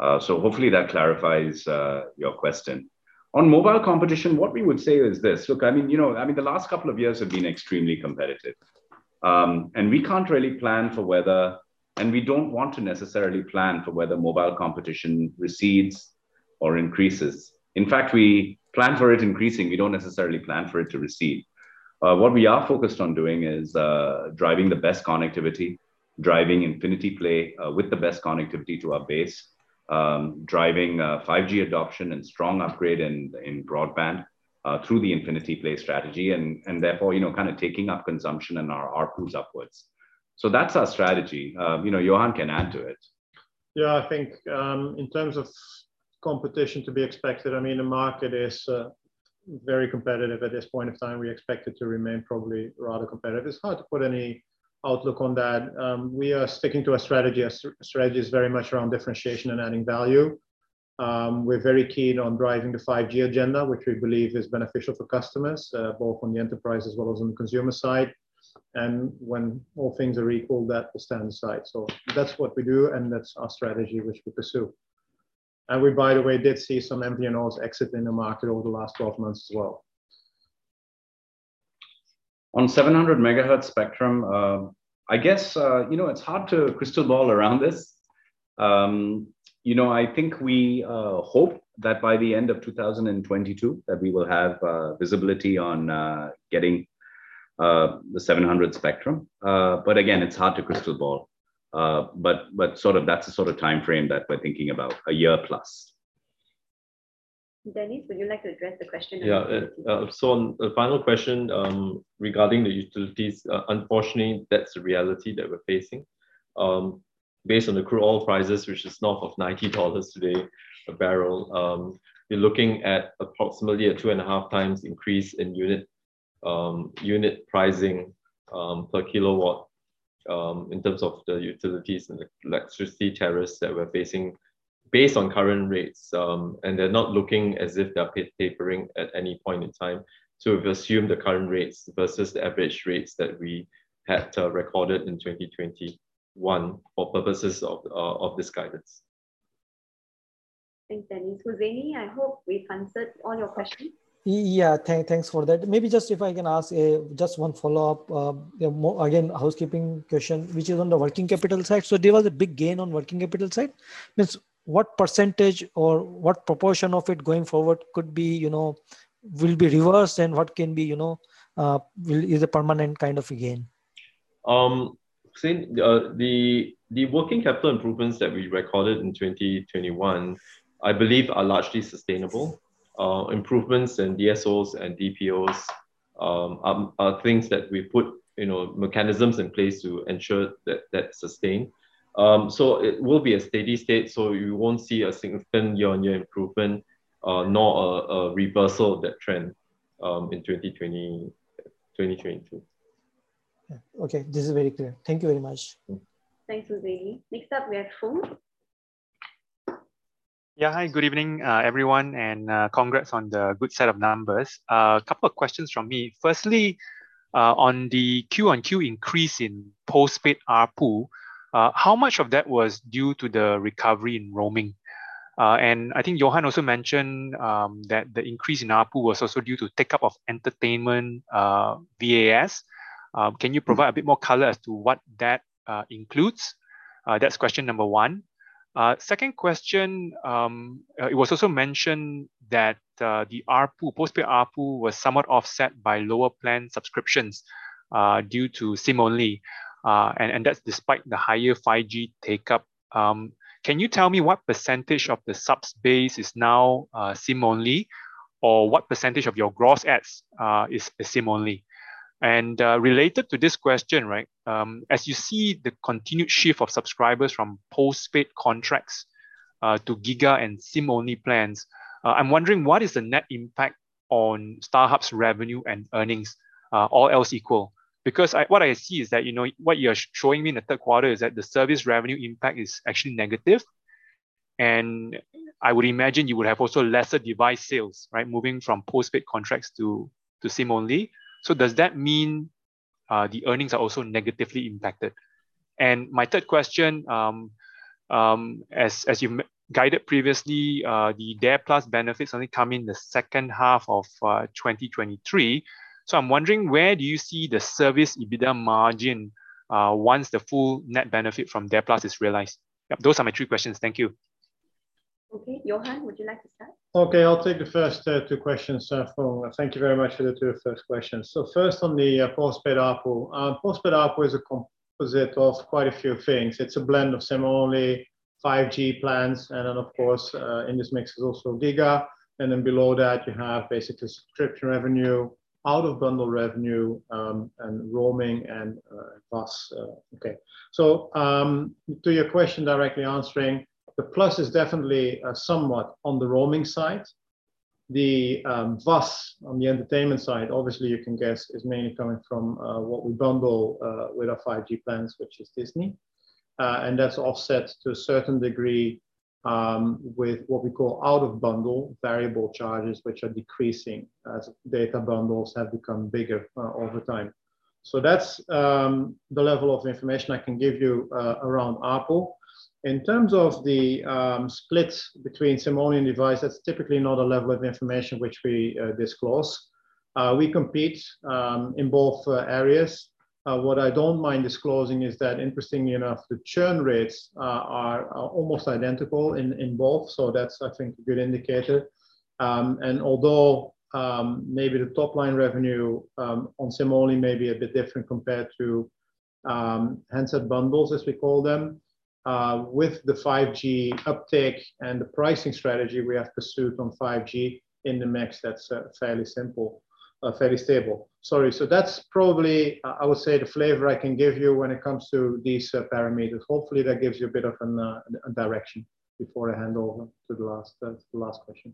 Hopefully that clarifies your question. On mobile competition, what we would say is this. Look, I mean, you know, I mean, the last couple of years have been extremely competitive. We can't really plan for whether... We don't want to necessarily plan for whether mobile competition recedes or increases. In fact, we plan for it increasing. We don't necessarily plan for it to recede. What we are focused on doing is driving the best connectivity, driving Infinity Play with the best connectivity to our base. Driving 5G adoption and strong upgrade in broadband through the Infinity Play strategy and, therefore, you know, kind of taking up consumption and our ARPUs upwards. That's our strategy. You know, Johan can add to it. Yeah. I think, in terms of competition to be expected, I mean, the market is very competitive at this point of time. We expect it to remain probably rather competitive. It's hard to put any outlook on that. We are sticking to our strategy. Our strategy is very much around differentiation and adding value. We're very keen on driving the 5G agenda, which we believe is beneficial for customers, both on the enterprise as well as on the consumer side. When all things are equal, that will stand aside. That's what we do, and that's our strategy which we pursue. We, by the way, did see some MVNOs exit in the market over the last 12 months as well. On 700 megahertz spectrum, I guess, you know, it's hard to crystal ball around this. You know, I think we hope that by the end of 2022, that we will have visibility on getting the 700 spectrum. Again, it's hard to crystal ball. Sort of that's the sort of timeframe that we're thinking about, a year plus. Dennis, would you like to address the question on utilities? On the final question, regarding the utilities, unfortunately, that's the reality that we're facing. Based on the crude oil prices, which is north of 90 dollars today a barrel, we're looking at approximately a 2.5 times increase in unit pricing per kilowatt in terms of the utilities and the electricity tariffs that we're facing based on current rates. They're not looking as if they're tapering at any point in time to assume the current rates versus the average rates that we had recorded in 2021 for purposes of this guidance. Thanks, Dennis. Hussaini, I hope we've answered all your questions. Yeah. Thanks for that. Maybe just if I can ask, just one follow-up. Housekeeping question, which is on the working capital side. There was a big gain on working capital side. Means what percentage or what proportion of it going forward could be, you know, will be reversed and what can be, you know, is a permanent kind of a gain? Hussaini, the working capital improvements that we recorded in 2021, I believe are largely sustainable. Improvements and DSOs and DPOs, you know, are things that we put mechanisms in place to ensure that that's sustained. It will be a steady state, so you won't see a significant year-on-year improvement, nor a reversal of that trend in 2022. Yeah. Okay. This is very clear. Thank you very much. Thanks, Hussaini. Next up, we have Foong. Hi, good evening, everyone, and congratulations on the good set of numbers. A couple of questions from me. Firstly, on the Q-on-Q increase in postpaid ARPU, how much of that was due to the recovery in roaming? I think Johan also mentioned that the increase in ARPU was also due to takeup of entertainment VAS. Can you provide a bit more color as to what that includes? That's question number one. Second question, it was also mentioned that the ARPU, postpaid ARPU was somewhat offset by lower plan subscriptions, due to SIM-only, and that's despite the higher 5G take-up. Can you tell me what percentage of the subs base is now SIM-only, or what percentage of your gross adds is SIM-only? Related to this question, right, as you see the continued shift of subscribers from postpaid contracts to giga! and SIM-only plans, I'm wondering what is the net impact on StarHub's revenue and earnings, all else equal. What I see is that, you know, what you are showing me in the third quarter is that the service revenue impact is actually negative. I would imagine you would have also lesser device sales, right, moving from postpaid contracts to SIM-only. Does that mean the earnings are also negatively impacted? My third question, as you guided previously, the DARE+ benefits only come in the second half of 2023. I'm wondering where do you see the service EBITDA margin once the full net benefit from DARE+ is realized? Those are my three questions. Thank you. Okay. Johan, would you like to start? Okay. I'll take the two first questions, Foong. Thank you very much for the two first questions. First on the postpaid ARPU. Postpaid ARPU is a composite of quite a few things. It's a blend of SIM-only 5G plans, and then of course, in this mix is also giga!. Below that, you have basically subscription revenue, out-of-bundle revenue, and roaming and VAS. To your question directly answering, the plus is definitely somewhat on the roaming side. The VAS on the entertainment side, obviously you can guess, is mainly coming from what we bundle with our 5G plans, which is Disney+. That's offset to a certain degree with what we call out-of-bundle variable charges, which are decreasing as data bundles have become bigger over time. That's the level of information I can give you around ARPU. In terms of the split between SIM-only and device, that's typically not a level of information which we disclose. We compete in both areas. What I don't mind disclosing is that interestingly enough, the churn rates are almost identical in both. That's I think a good indicator. And although maybe the top-line revenue on SIM-only may be a bit different compared to handset bundles, as we call them, with the 5G uptake and the pricing strategy we have pursued on 5G in the mix, that's fairly simple, fairly stable. Sorry. That's probably I would say the flavor I can give you when it comes to these parameters. Hopefully, that gives you a bit of an direction before I hand over to the last question.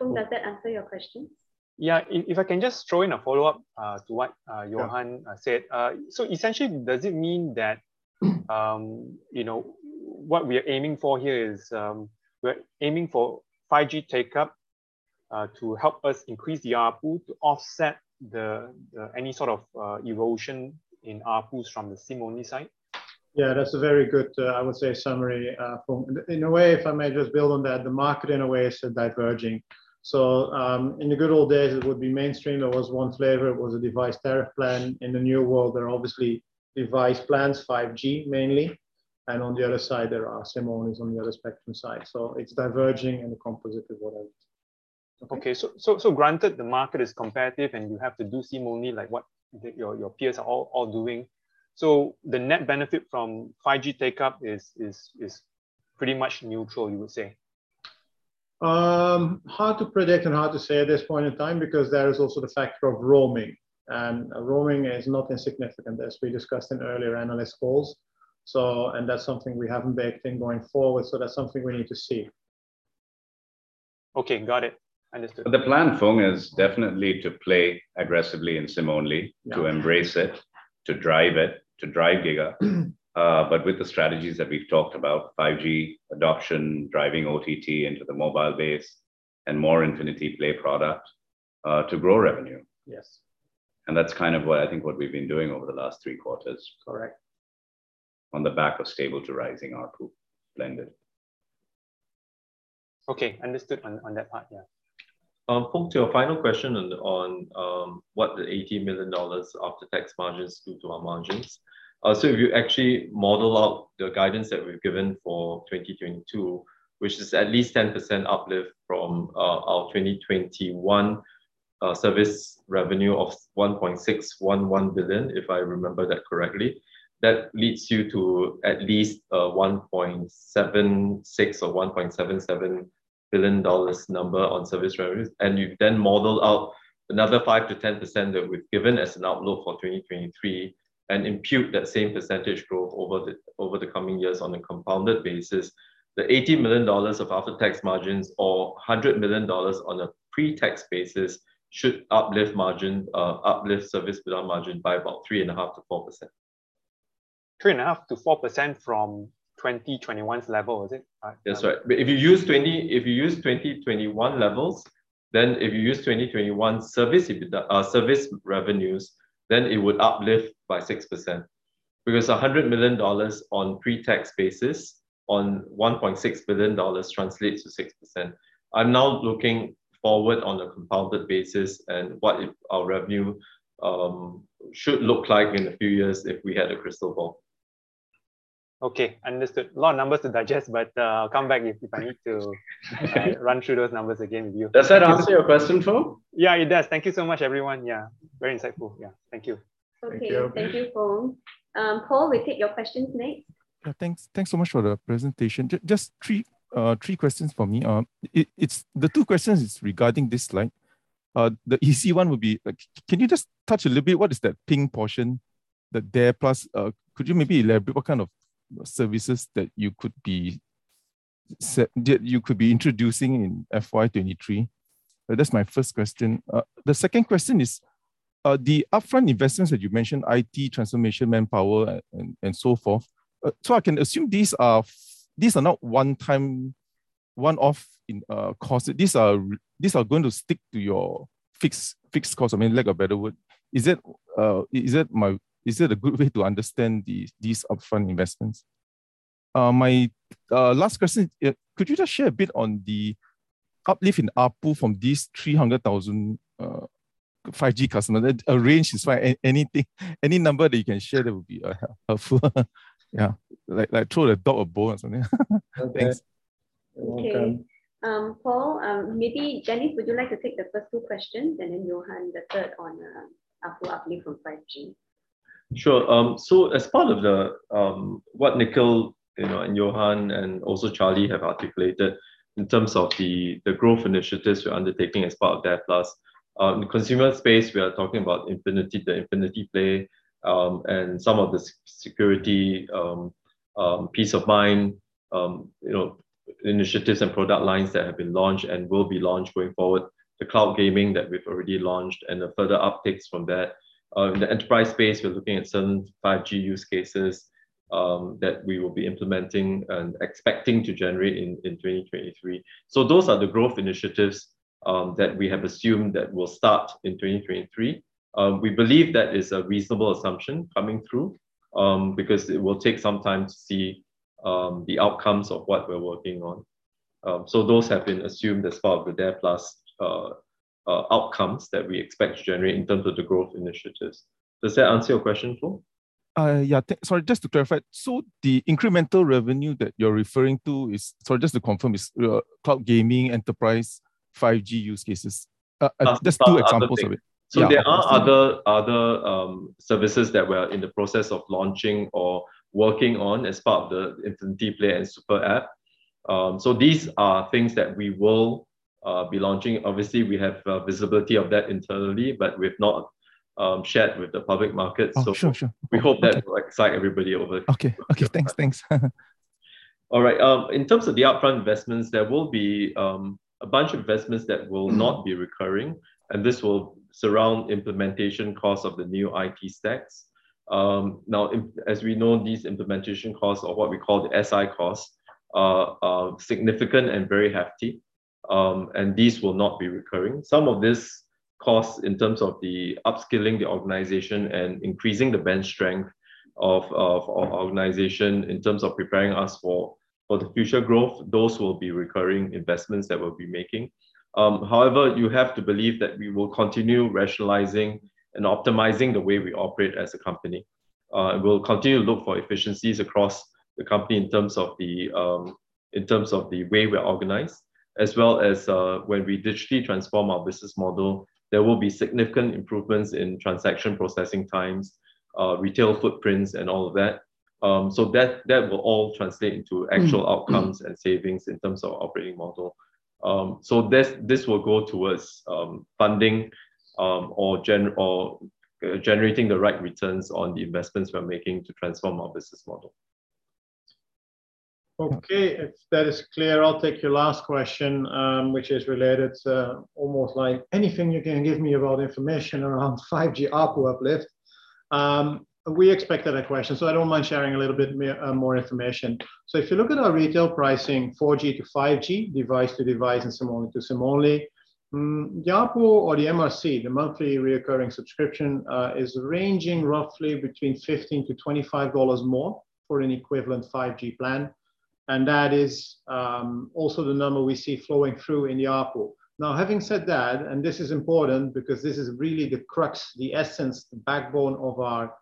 Foong, does that answer your question? Yeah. If, if I can just throw in a follow-up, to what. Yeah Johan said. So essentially, you know, what we're aiming for here is we're aiming for 5G take-up to help us increase the ARPU to offset any sort of erosion in ARPUs from the SIM-only side? Yeah, that's a very good, I would say summary, Foong. In a way, if I may just build on that. The market, in a way, is sort of diverging. In the good old days, it would be mainstream. There was one flavor. It was a device tariff plan. In the new world, there are obviously device plans, 5G mainly, and on the other side there are SIM-onlys on the other spectrum side. It's diverging and composite. Okay. Okay. Granted the market is competitive and you have to do SIM-only, like what, like your peers are all doing. The net benefit from 5G take-up is pretty much neutral, you would say? Hard to predict and hard to say at this point in time because there is also the factor of roaming. Roaming is not insignificant, as we discussed in earlier analyst calls. That's something we haven't baked in going forward, so that's something we need to see. Okay, got it. Understood. The plan, Foong, is definitely to play aggressively in SIM-only. Yeah. To embrace it, to drive it, to drive giga. With the strategies that we've talked about, 5G adoption, driving OTT into the mobile base and more Infinity Play product, to grow revenue. Yes. That's kind of what I think what we've been doing over the last three quarters. Correct. On the back of stable to rising ARPU blended. Okay, understood on that part, yeah. Foong, to your final question on, what the 80 million dollars after-tax margins do to our margins. If you actually model out the guidance that we've given for 2022, which is at least 10% uplift from our 2021 service revenue of 1.611 billion, if I remember that correctly. That leads you to at least 1.76 billion or 1.77 billion dollars number on service revenues. You then model out another 5%-10% that we've given as an outlook for 2023 and impute that same percentage growth over the, over the coming years on a compounded basis. The 80 million dollars of after-tax margins or 100 million dollars on a pre-tax basis should uplift Service EBITDA margin by about 3.5%-4%. 3.5%-4% from 2021's level, is it? That's right. If you use 2021 levels, then if you use 2021 service revenues, then it would uplift by 6%. A 100 million dollars on pre-tax basis on 1.6 billion dollars translates to 6%. I'm now looking forward on a compounded basis and what if our revenue should look like in a few years if we had a crystal ball. Okay, understood. A lot of numbers to digest, but I'll come back if I need to run through those numbers again with you. Does that answer your question, Foong? Yeah, it does. Thank you so much, everyone. Yeah. Very insightful. Yeah. Thank you. Okay. Thank you. Thank you, Foong. Paul, we'll take your questions next. Yeah, thanks so much for the presentation. Just three questions from me. It's, the two questions is regarding this slide. The easy one would be, can you just touch a little bit, what is that pink portion, the DARE+? Could you maybe elaborate what kind of services that you could be introducing in FY 2023? That's my first question. The second question is, the upfront investments that you mentioned, IT transformation, manpower, and so forth. I can assume these are not one-time, one-off in costs. These are going to stick to your fixed costs, I mean, lack of better word. Is it a good way to understand these upfront investments? My last question, could you just share a bit on the uplift in ARPU from these 300,000 5G customers? A range is fine. Anything, any number that you can share that would be helpful. Yeah. Like throw a dog a bone or something. Thanks. Okay. Okay. Paul, maybe Dennis Chia, would you like to take the first two questions and then Johan the third on, ARPU uplift from 5G? Sure. As part of the, what Nikhil, you know, and Johan and also Charlie have articulated in terms of the growth initiatives we're undertaking as part of DARE+. Consumer space, we are talking about Infinity, the Infinity Play, and some of the security, peace of mind, you know, initiatives and product lines that have been launched and will be launched going forward. The cloud gaming that we've already launched and the further updates from that. The enterprise space, we're looking at certain 5G use cases that we will be implementing and expecting to generate in 2023. Those are the growth initiatives that we have assumed that will start in 2023. We believe that is a reasonable assumption coming through, because it will take some time to see the outcomes of what we're working on. Those have been assumed as part of the DARE+ outcomes that we expect to generate in terms of the growth initiatives. Does that answer your question, Paul? Yeah. Sorry, just to clarify. The incremental revenue that you're referring to is, sorry, just to confirm, is cloud gaming, enterprise, 5G use cases. Just two examples of it. Other than. Yeah. There are other services that we're in the process of launching or working on as part of the Infinity Play and super app. These are things that we will be launching. Obviously, we have visibility of that internally, but we've not shared with the public market. Oh, sure. We hope that will excite everybody over. Okay. Okay, thanks. Thanks. All right. In terms of the upfront investments, there will be a bunch of investments not be recurring, and this will surround implementation costs of the new IT stacks. Now as we know, these implementation costs or what we call the SI costs are significant and very hefty. These will not be recurring. Some of these costs in terms of the upskilling the organization and increasing the bench strength of organization in terms of preparing us for the future growth, those will be recurring investments that we'll be making. However, you have to believe that we will continue rationalizing and optimizing the way we operate as a company. We'll continue to look for efficiencies across the company in terms of the way we're organized, as well as when we digitally transform our business model, there will be significant improvements in transaction processing times, retail footprints and all of that. That will all translate into actual outcomes and savings in terms of operating model. This will go towards funding or generating the right returns on the investments we're making to transform our business model. Okay. If that is clear, I will take your last question, which is related to almost like anything you can give me about information around 5G ARPU uplift. We expected that question, I do not mind sharing a little bit more information. If you look at our retail pricing, 4G to 5G, device to device and SIM-only to SIM-only, the ARPU or the MRC, the Monthly Recurring Subscription, is ranging roughly between 15-25 dollars more for an equivalent 5G plan. That is also the number we see flowing through in the ARPU. Having said that, this is important because this is really the crux, the essence, the backbone of our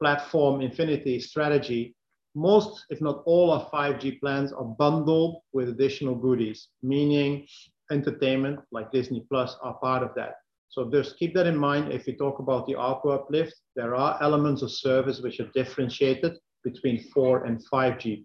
platform Infinity strategy, most, if not all of 5G plans are bundled with additional goodies, meaning entertainment like Disney+ are part of that. Just keep that in mind if you talk about the ARPU uplift. There are elements of service which are differentiated between 4G and 5G.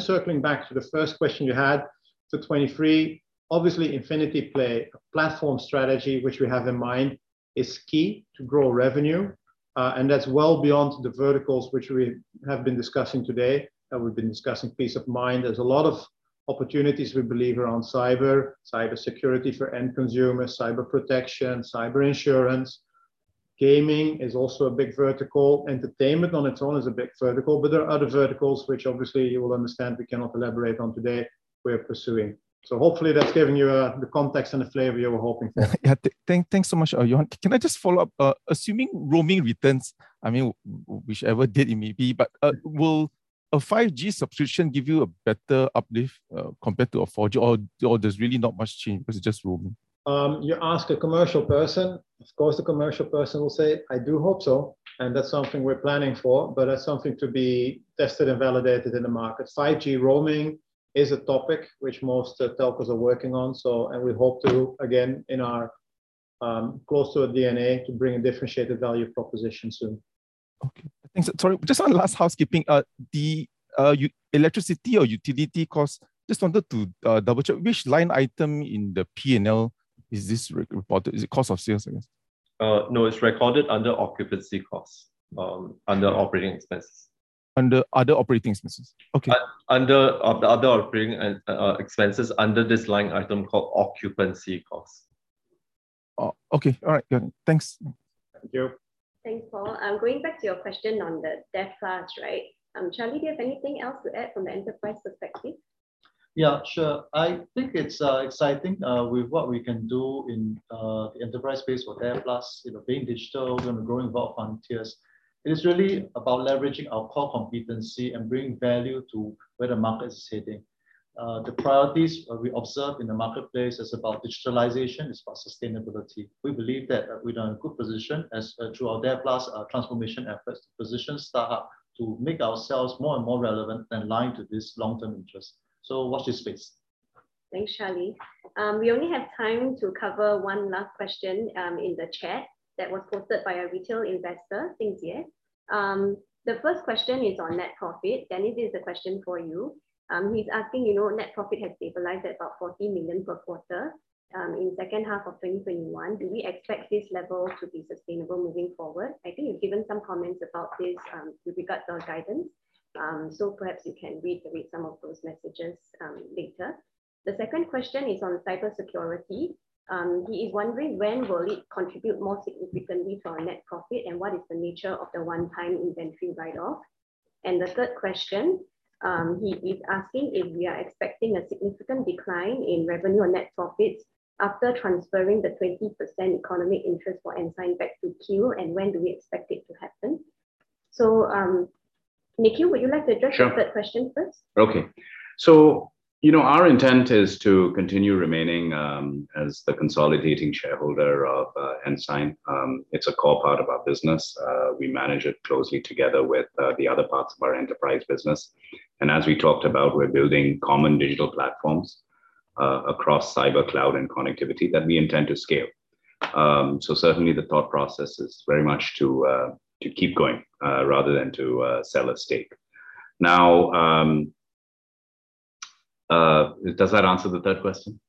Circling back to the first question you had for 2023, obviously Infinity Play platform strategy, which we have in mind, is key to grow revenue. That's well beyond the verticals which we have been discussing today, and we've been discussing peace of mind. There's a lot of opportunities we believe around cyber, cybersecurity for end consumers, cyber protection, cyber insurance. Gaming is also a big vertical. Entertainment on its own is a big vertical, but there are other verticals which obviously you will understand we cannot elaborate on today we're pursuing. Hopefully that's given you the context and the flavor you were hoping for. Thanks so much, Johan. Can I just follow up? Assuming roaming returns, I mean, whichever date it may be, but, will a 5G subscription give you a better uplift compared to a 4G or there's really not much change because it's just roaming? You ask a commercial person, of course a commercial person will say, "I do hope so," and that's something we're planning for. That's something to be tested and validated in the market. 5G roaming is a topic which most telcos are working on. We hope to, again, in our close to our DNA, to bring a differentiated value proposition soon. Okay. Thanks. Sorry, just one last housekeeping. The electricity or utility costs, just wanted to double-check. Which line item in the P&L is this re-reported? Is it cost of sales, I guess? No. It's recorded under occupancy costs, under operating expenses. Under other operating expenses. Okay. Under the other operating expenses under this line item called occupancy costs. Oh, okay. All right. Good. Thanks. Thank you. Thanks, Paul. Going back to your question on the DARE+, right? Charlie, do you have anything else to add from the enterprise perspective? Yeah, sure. I think it's exciting with what we can do in the enterprise space for DARE+. You know, being digital, we're growing without frontiers. It is really about leveraging our core competency and bringing value to where the market is heading. The priorities we observe in the marketplace is about digitalization, it's about sustainability. We believe that we are in good position as through our DARE+ transformation efforts to position StarHub to make ourselves more and more relevant and aligned to this long-term interest. Watch this space. Thanks, Charlie. We only have time to cover one last question in the chat that was posted by a retail investor, Xing Jie. The first question is on net profit. Dennis, this is a question for you. He's asking, you know, net profit has stabilized at about 40 million per quarter in second half of 2021. Do we expect this level to be sustainable moving forward? I think you've given some comments about this with regards to our guidance. Perhaps you can reiterate some of those messages later. The second question is on cybersecurity. He is wondering, when will it contribute more significantly to our net profit, and what is the nature of the one-time inventory write-off? The third question, he is asking if we are expecting a significant decline in revenue or net profits after transferring the 20% economic interest for Ensign back to Keppel, and when do we expect it to happen? Nikhil, would you like to address- Sure The third question first? Okay. You know, our intent is to continue remaining as the consolidating shareholder of Ensign. It's a core part of our business. We manage it closely together with the other parts of our enterprise business. As we talked about, we're building common digital platforms across cyber cloud and connectivity that we intend to scale. Certainly the thought process is very much to keep going rather than to sell at stake. Now, does that answer the third question?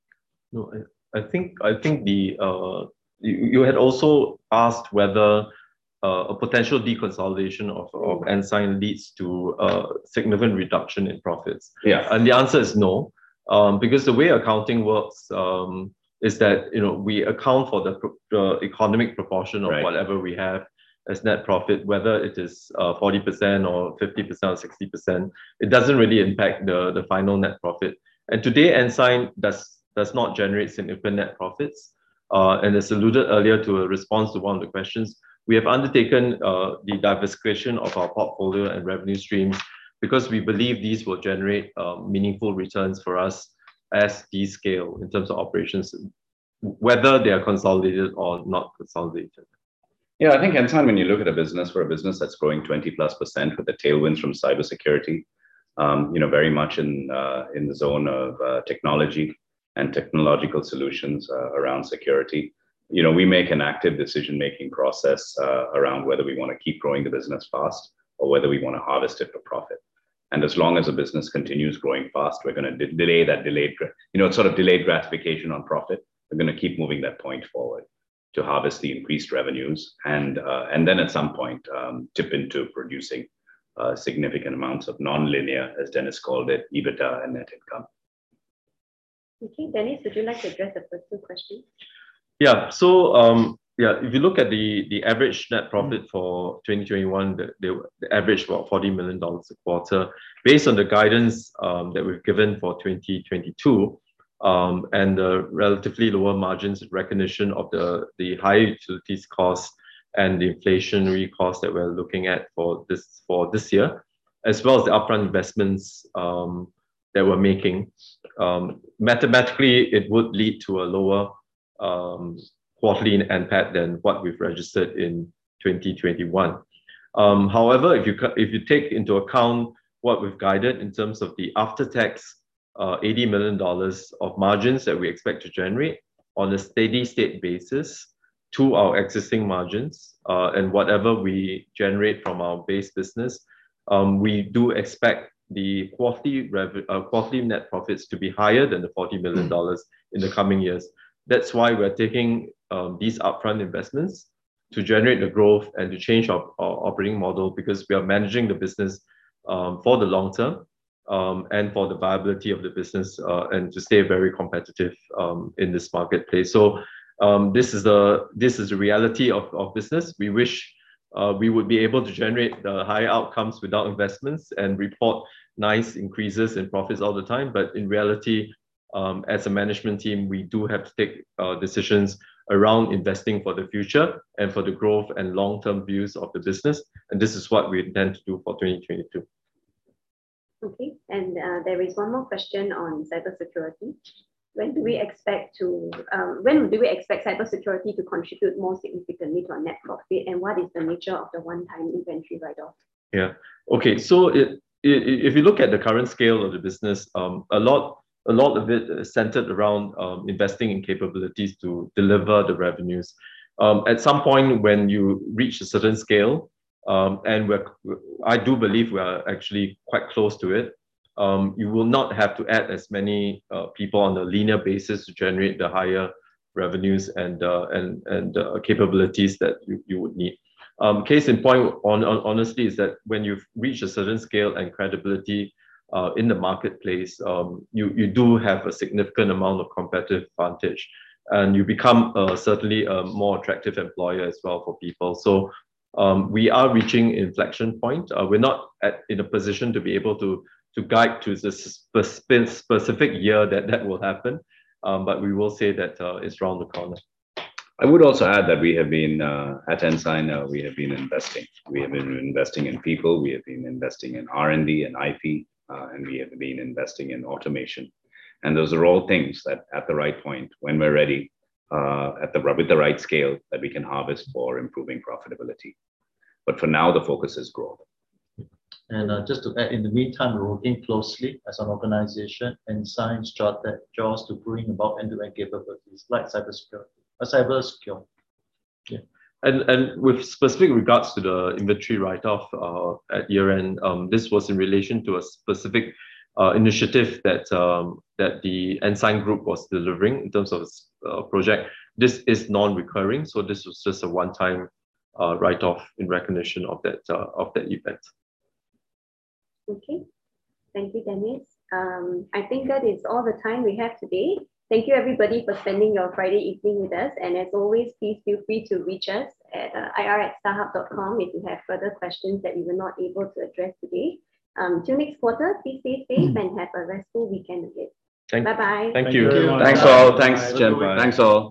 No. I think you had also asked whether a potential deconsolidation of Ensign leads to a significant reduction in profits. Yeah. The answer is no. Because the way accounting works, is that, you know, we account for the economic proportion. Right of whatever we have as net profit, whether it is, 40% or 50% or 60%. It doesn't really impact the final net profit. Today, Ensign does not generate significant net profits. As alluded earlier to a response to one of the questions, we have undertaken, the diversification of our portfolio and revenue streams because we believe these will generate, meaningful returns for us as these scale in terms of operations, whether they are consolidated or not consolidated. Yeah. I think Ensign, when you look at a business, we're a business that's growing +20% with the tailwinds from cybersecurity, you know, very much in the zone of technology and technological solutions around security. You know, we make an active decision-making process around whether we wanna keep growing the business fast or whether we wanna harvest it for profit. As long as the business continues growing fast, we're gonna delay that delayed gratification on profit. We're gonna keep moving that point forward to harvest the increased revenues, then at some point, tip into producing significant amounts of nonlinear, as Dennis called it, EBITDA and net income. Okay. Dennis, would you like to address the first two questions? Yeah. If you look at the average net profit for 2021, the average was 40 million dollars a quarter. Based on the guidance that we've given for 2022, and the relatively lower margins recognition of the high utilities cost and the inflationary cost that we're looking at for this, for this year, as well as the upfront investments that we're making, mathematically it would lead to a lower quarterly NPAT than what we've registered in 2021. However, if you take into account what we've guided in terms of the after-tax, 80 million dollars of margins that we expect to generate on a steady state basis to our existing margins, and whatever we generate from our base business, we do expect the quarterly net profits to be higher than the 40 million dollars in the coming years. That's why we're taking, these upfront investments to generate the growth and to change our operating model because we are managing the business, for the long term, and for the viability of the business, and to stay very competitive, in this marketplace. This is the reality of business. We wish we would be able to generate the high outcomes without investments and report nice increases in profits all the time. In reality, as a management team, we do have to take decisions around investing for the future and for the growth and long-term views of the business, and this is what we intend to do for 2022. Okay. There is one more question on cybersecurity. When do we expect cybersecurity to contribute more significantly to our net profit, and what is the nature of the one-time inventory write-off? Yeah. Okay. If you look at the current scale of the business, a lot of it is centered around investing in capabilities to deliver the revenues. At some point when you reach a certain scale, and I do believe we're actually quite close to it, you will not have to add as many people on a linear basis to generate the higher revenues and capabilities that you would need. Case in point, honestly, is that when you've reached a certain scale and credibility in the marketplace, you do have a significant amount of competitive advantage, and you become certainly a more attractive employer as well for people. We are reaching inflection point. We're not at, in a position to be able to guide to the specific year that will happen, but we will say that it's around the corner. I would also add that we have been at Ensign, we have been investing. We have been investing in people, we have been investing in R&D and IP, and we have been investing in automation. Those are all things that at the right point, when we're ready, with the right scale, that we can harvest for improving profitability. For now, the focus is growth. Yeah. Just to add, in the meantime, we're working closely as an organization, Ensign's chart that draws to bring about end-to-end capabilities like cybersecurity. Yeah. With specific regards to the inventory write-off, at year-end, this was in relation to a specific initiative that the Ensign group was delivering in terms of a project. This is non-recurring, so this was just a one-time write-off in recognition of that event. Okay. Thank you, Dennis. I think that is all the time we have today. Thank you everybody for spending your Friday evening with us. As always, please feel free to reach us at ir@starhub.com if you have further questions that we were not able to address today. Till next quarter, please stay safe and have a restful weekend ahead. Thank you. Bye-bye. Thank you. Thank you. Thanks all. Thanks, Jen. Thanks all.